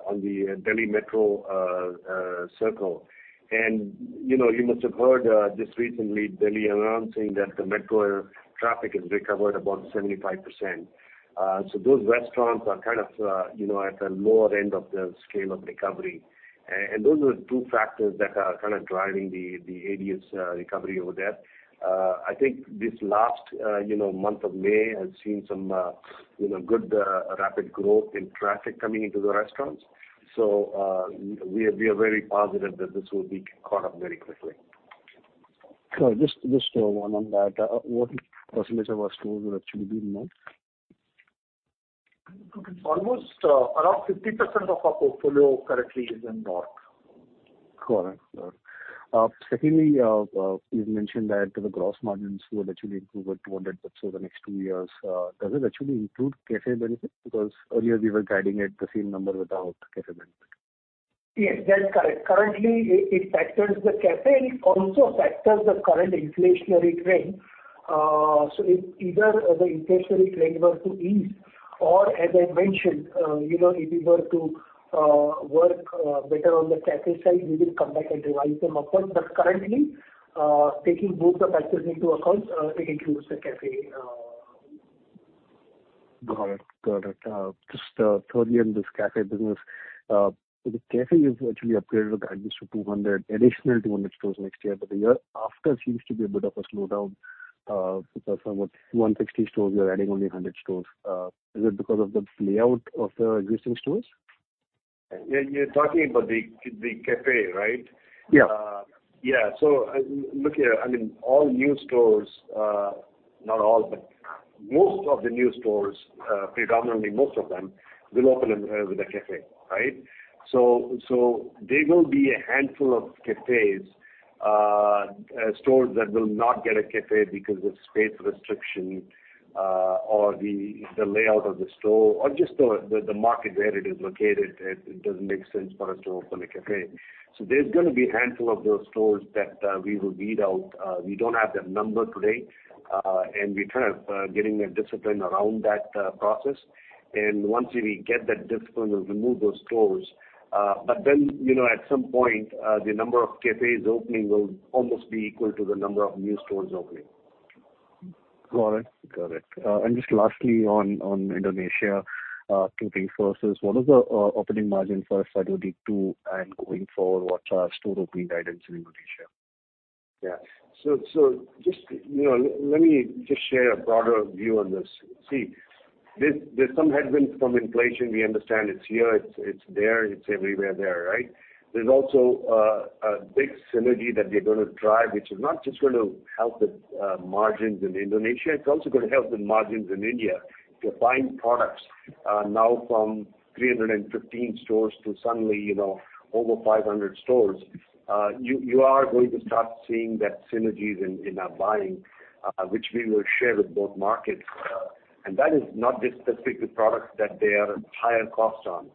on the Delhi Metro circle. You know, you must have heard just recently Delhi announcing that the metro traffic has recovered about 75%. Those restaurants are kind of, you know, at the lower end of the scale of recovery. And those are the two factors that are kind of driving the ADS recovery over there. I think this last month of May has seen some, you know, good rapid growth in traffic coming into the restaurants. We are very positive that this will be caught up very quickly. Just one on that. What percentage of our stores would actually be in North? Almost, around 50% of our portfolio currently is in North. Correct. Secondly, you've mentioned that the gross margins will actually improve at 200+ over the next two years. Does it actually include cafe benefit? Because earlier you were guiding at the same number without cafe benefit. Yes, that's correct. Currently it factors the cafe. It also factors the current inflationary trend. If either the inflationary trend were to ease or as I mentioned, you know, if we were to work better on the cafe side, we will come back and revise them upward. Currently, taking both the factors into account, it includes the cafe. Got it. Just thirdly on this cafe business. The cafe is actually upgraded with guidance to 200 additional 200 stores next year. The year after seems to be a bit of a slowdown because from 160 stores, you're adding only 100 stores. Is it because of the layout of the existing stores? You're talking about the cafe, right? Yeah. Yeah. Look here, I mean, all new stores, not all, but most of the new stores, predominantly most of them will open with a cafe, right? There will be a handful of stores that will not get a cafe because of space restriction, or the layout of the store or just the market where it is located. It doesn't make sense for us to open a cafe. There's gonna be a handful of those stores that we will weed out. We don't have that number today. We're kind of getting a discipline around that process. Once we get that discipline, we'll remove those stores. You know, at some point, the number of cafes opening will almost be equal to the number of new stores opening. Got it. Just lastly on Indonesia, two things for us is what is the opening margin for FY 2022 and going forward, what are store opening guidance in Indonesia? Yeah. Just, you know, let me just share a broader view on this. See, there's some headwinds from inflation. We understand it's here, it's there, it's everywhere, right? There's also a big synergy that we're gonna drive, which is not just gonna help the margins in Indonesia. It's also gonna help the margins in India to buying products now from 315 stores to suddenly, you know, over 500 stores. You are going to start seeing that synergies in our buying, which we will share with both markets. That is not just specific to products that they are higher cost on,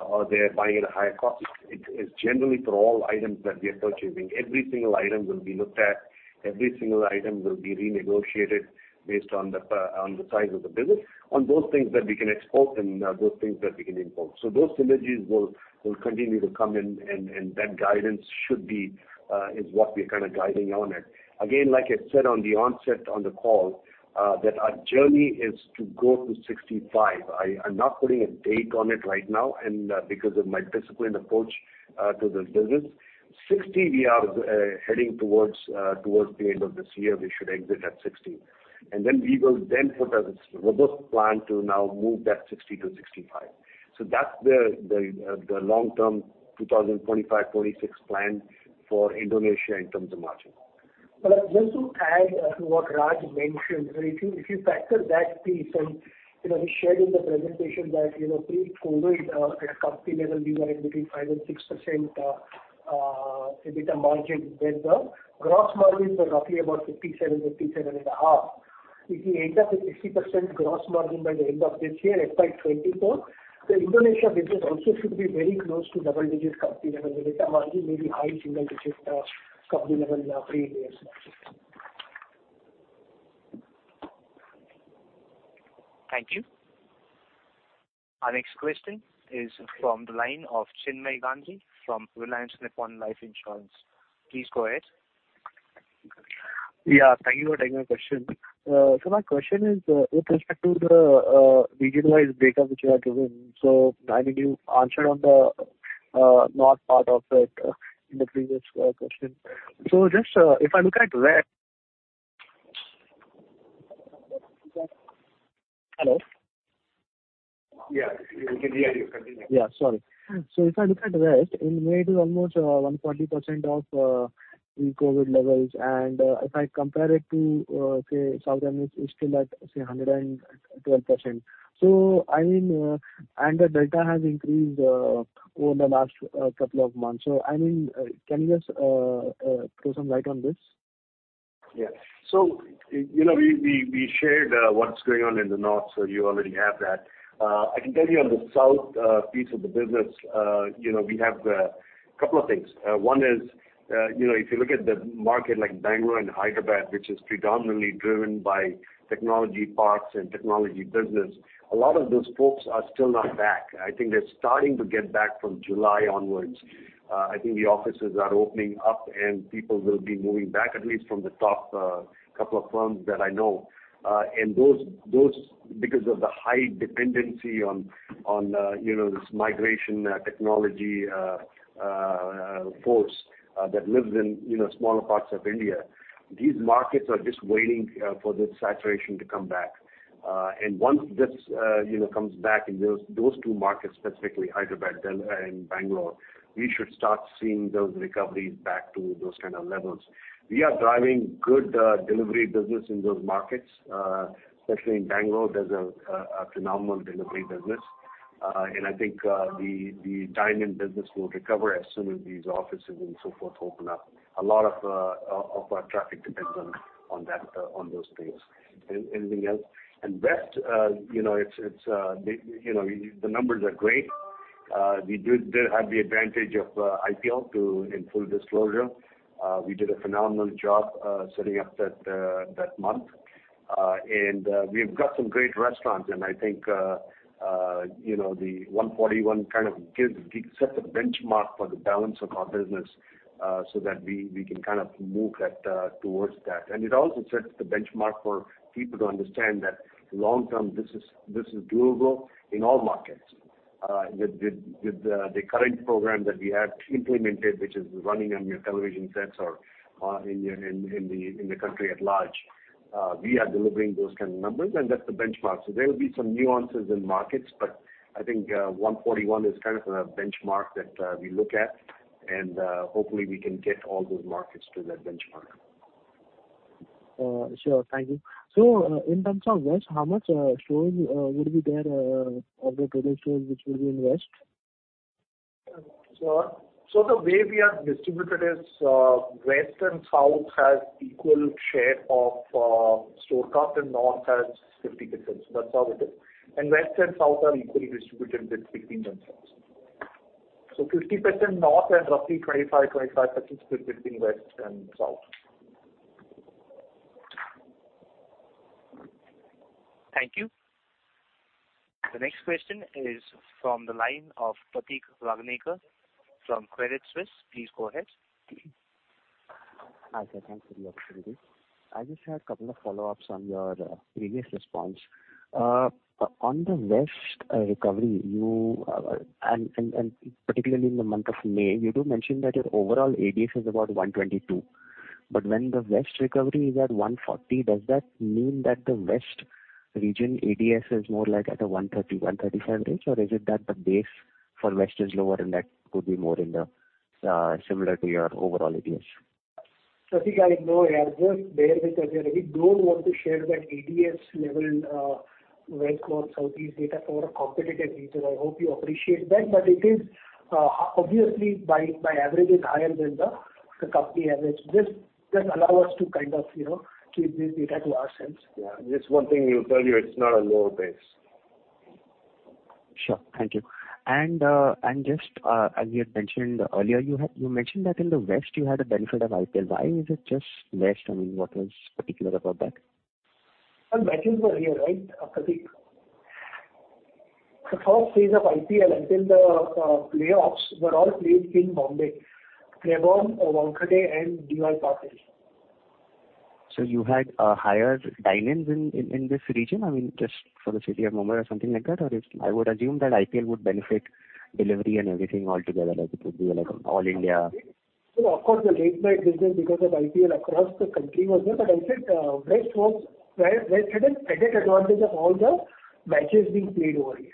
or they're buying at a higher cost. It's generally for all items that we are purchasing. Every single item will be looked at. Every single item will be renegotiated based on the size of the business, on those things that we can export and those things that we can import. Those synergies will continue to come in and that guidance should be is what we're kind of guiding on it. Again, like I said on the onset on the call, that our journey is to go to 65%. I'm not putting a date on it right now and because of my disciplined approach to this business. 60% we are heading towards the end of this year. We should exit at 60%. Then we will then put a robust plan to now move that 60%-65%. That's the long-term 2025, 2026 plan for Indonesia in terms of margin. Just to add to what Raj mentioned, if you factor that piece and, you know, he shared in the presentation that, you know, pre-COVID, at a company level we were in between 5%-6% EBITDA margin with the gross margin is roughly about 57.5%. If we end up with 60% gross margin by the end of this year, FY 2024, the Indonesia business also should be very close to double digits company level EBITDA margin, maybe high single digits, company level, pre-interest margin. Thank you. Our next question is from the line of Chinmay Gandre from Reliance Nippon Life Insurance. Please go ahead. Yeah, thank you for taking my question. My question is, with respect to the region wide data which you have given. I mean, you answered on the north part of it, in the previous question. Just, if I look at west. Hello? Yeah. We can hear you. Continue. Sorry. If I look at West, in May it is almost 140% of pre-COVID levels. If I compare it to, say, Southern, it's still at, say, 112%. I mean, the delta has increased over the last couple of months. I mean, can you just throw some light on this? Yeah. You know, we shared what's going on in the north, so you already have that. I can tell you on the south piece of the business, you know, we have a couple of things. One is, you know, if you look at the market like Bangalore and Hyderabad, which is predominantly driven by technology parks and technology business, a lot of those folks are still not back. I think they're starting to get back from July onwards. I think the offices are opening up, and people will be moving back at least from the top couple of firms that I know. And that's because of the high dependency on, you know, this migrating technology workforce that lives in, you know, smaller parts of India. These markets are just waiting for this saturation to come back. Once this you know comes back in those two markets, specifically Hyderabad, Delhi and Bangalore, we should start seeing those recoveries back to those kind of levels. We are driving good delivery business in those markets. Especially in Bangalore, there's a phenomenal delivery business. I think the dine-in business will recover as soon as these offices and so forth open up. A lot of our traffic depends on that, on those things. Anything else? West you know it's the you know the numbers are great. We did have the advantage of IPL too in full disclosure. We did a phenomenal job setting up that month. We've got some great restaurants, and I think, you know, the 141 kind of sets a benchmark for the balance of our business, so that we can kind of move that towards that. It also sets the benchmark for people to understand that long term, this is durable in all markets. With the current program that we have implemented, which is running on your television sets or in the country at large. We are delivering those kind of numbers and that's the benchmark. There will be some nuances in markets, but I think, 141 is kind of a benchmark that we look at, and hopefully we can get all those markets to that benchmark. Sure. Thank you. In terms of West, how many stores would be there of the total stores which will be in West? The way we are distributed is, West and South has equal share of store count and North has 50%. That's how it is. West and South are equally distributed between themselves. 50% North and roughly 25%/25% split between West and South. Thank you. The next question is from the line of Prateek Raghunathan from Credit Suisse. Please go ahead. Hi, sir. Thanks for the opportunity. I just had a couple of follow-ups on your previous response. On the West recovery and particularly in the month of May, you do mention that your overall ADS is about 122. When the West recovery is at 140, does that mean that the West region ADS is more like at a 130-135 range? Or is it that the base for West is lower and that could be more in the similar to your overall ADS? Prateek. Just bear with us here. We don't want to share that ADS level, West or Southeast data for a competitive reason. I hope you appreciate that. It is obviously the average is higher than the company average. Just allow us to kind of, you know, keep this data to ourselves. Yeah. Just one thing we'll tell you, it's not a lower base. Sure. Thank you. Just as you had mentioned earlier, you mentioned that in the West you had a benefit of IPL. Why is it just West? I mean, what was particular about that? Our matches were here, right, Prateek? The first phase of IPL until the playoffs were all played in Bombay. Brabourne, Wankhede, and DY Patil. You had higher dine-ins in this region? I mean, just for the city of Mumbai or something like that? I would assume that IPL would benefit delivery and everything altogether as it would be like all India. Of course, the late night business because of IPL across the country was there. I said, West had an added advantage of all the matches being played over here.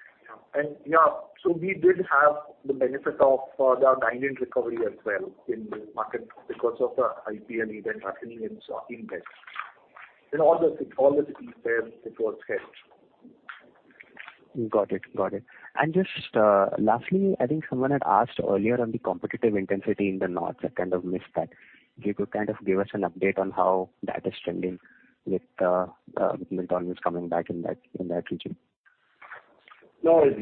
We did have the benefit of the dine-in recovery as well in this market because of the IPL event happening in West in all the cities where it was held. Got it. Just lastly, I think someone had asked earlier on the competitive intensity in the North. I kind of missed that. If you could kind of give us an update on how that is trending with McDonald's coming back in that region. No. It's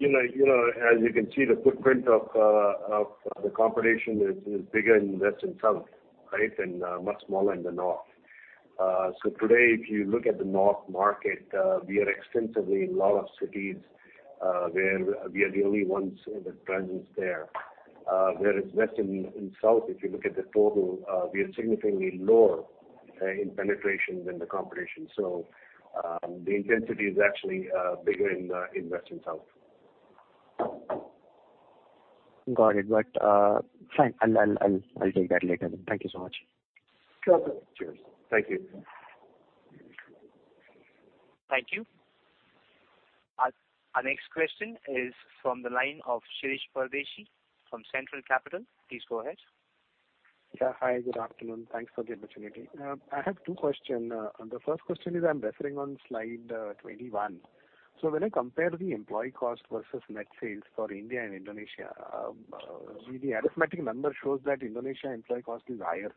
you know, as you can see, the footprint of the competition is bigger in West and South, right? Much smaller in the North. Today, if you look at the North market, we are extensively in a lot of cities where we are the only ones with a presence there. Whereas West and South, if you look at the total, we are significantly lower in penetration than the competition. The intensity is actually bigger in West and South. Got it. Fine. I'll take that later then. Thank you so much. Sure thing. Cheers. Thank you. Thank you. Our next question is from the line of Shirish Pardeshi from Centrum Capital. Please go ahead. Yeah. Hi, good afternoon. Thanks for the opportunity. I have two questions. The first question is, I'm referring to slide 21. When I compare the employee cost versus net sales for India and Indonesia, the arithmetic number shows that Indonesia employee cost is higher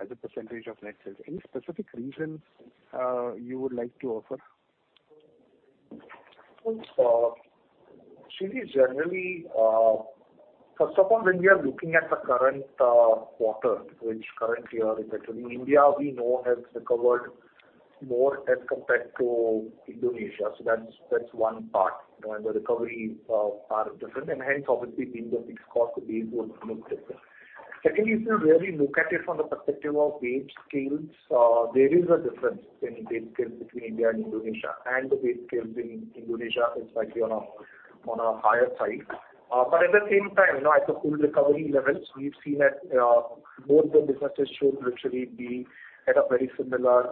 as a percentage of net sales. Any specific reasons you would like to offer? Well, Shirish, generally, first of all, when we are looking at the current quarter, which currently are reflected, India we know has recovered more as compared to Indonesia. That's one part. You know, the recovery are different, and hence obviously being the fixed cost the base would look different. Secondly, if you really look at it from the perspective of wage scales, there is a difference in wage scales between India and Indonesia, and the wage scales in Indonesia is slightly on a higher side. At the same time, you know, at the full recovery levels, we've seen that both the businesses should virtually be at a very similar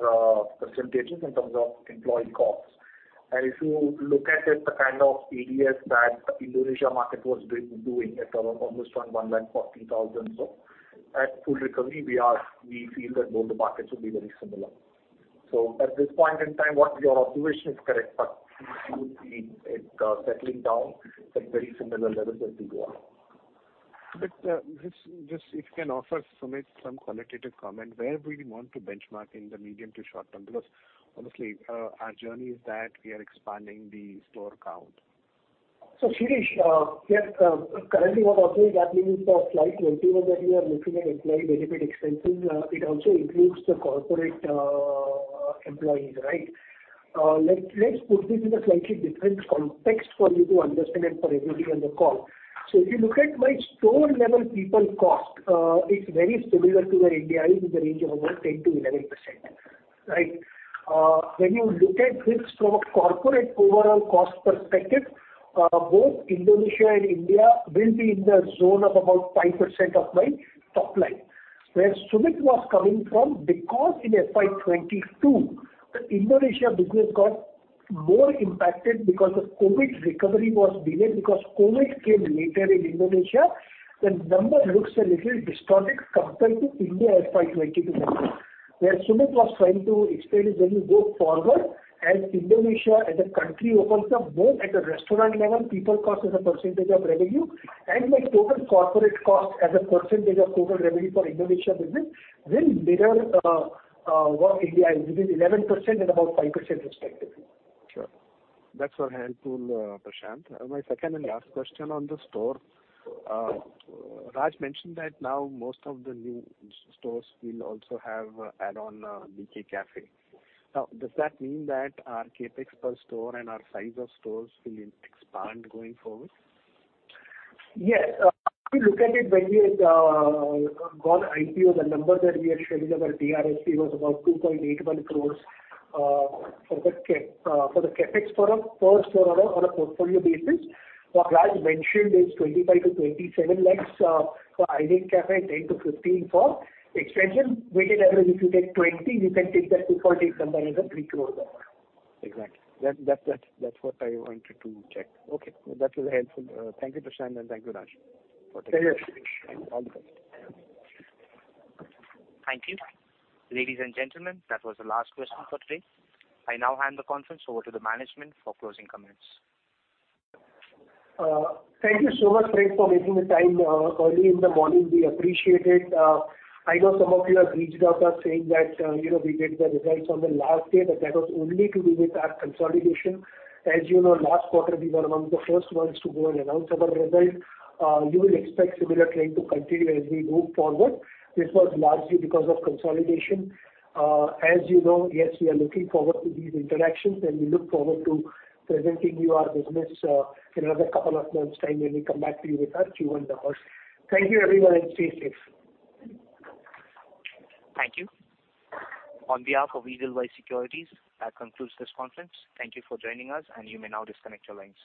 percentages in terms of employee costs. If you look at it, the kind of ADS that Indonesia market was doing at around almost 140,000. At full recovery we feel that both the markets will be very similar. At this point in time, what your observation is correct, but we see it settling down at very similar levels as we go on. Just if you can offer, Sumit, some qualitative comment, where do we want to benchmark in the medium to short term? Because obviously, our journey is that we are expanding the store count. Shirish, currently what also is happening is a slight dip that we are looking at employee benefit expenses. It also includes the corporate employees, right? Let's put this in a slightly different context for you to understand and for everybody on the call. If you look at my store level people cost, it's very similar to where India is in the range of about 10%-11%, right? When you look at this from a corporate overall cost perspective, both Indonesia and India will be in the zone of about 5% of my top line. Where Sumit was coming from because in FY 2022 the Indonesia business got more impacted because the COVID recovery was delayed because COVID came later in Indonesia, the number looks a little distorted compared to India FY 2022 numbers. What Sumit was trying to explain is when you go forward as Indonesia as a country opens up more at a restaurant level, people cost as a percentage of revenue and our total corporate cost as a percentage of total revenue for Indonesia business will mirror what India is between 11% and about 5% respectively. Sure. That's all helpful, Prashant. My second and last question on the store. Raj mentioned that now most of the new stores will also have add-on BK Cafe. Now, does that mean that our CapEx per store and our size of stores will expand going forward? Yes. If you look at it when we had gone IPO, the number that we had shared about ADS was about 2.81 crores for the CapEx for a per store owner on a portfolio basis. What Raj mentioned is 25-27 lakhs for BK Cafe, 10-15 for expansion. Weighted average, if you take 20, you can take that 2.8 number as a [benchmark] number. Exactly. That's what I wanted to check. Okay. That was helpful. Thank you, Prashant, and thank you, Raj. Thank you, Shirish. All the best. Thank you. Ladies, and gentlemen, that was the last question for today. I now hand the conference over to the management for closing comments. Thank you so much friends for making the time, early in the morning. We appreciate it. I know some of you have reached out us saying that, you know, we did the results on the last day, but that was only to do with our consolidation. As you know, last quarter we were among the first ones to go and announce our results. You will expect similar trend to continue as we move forward. This was largely because of consolidation. As you know, yes, we are looking forward to these interactions, and we look forward to presenting you our business, in another couple of months time when we come back to you with our Q1 numbers. Thank you everyone and stay safe. Thank you. On behalf of Edelweiss Securities, that concludes this conference. Thank you for joining us, and you may now disconnect your lines.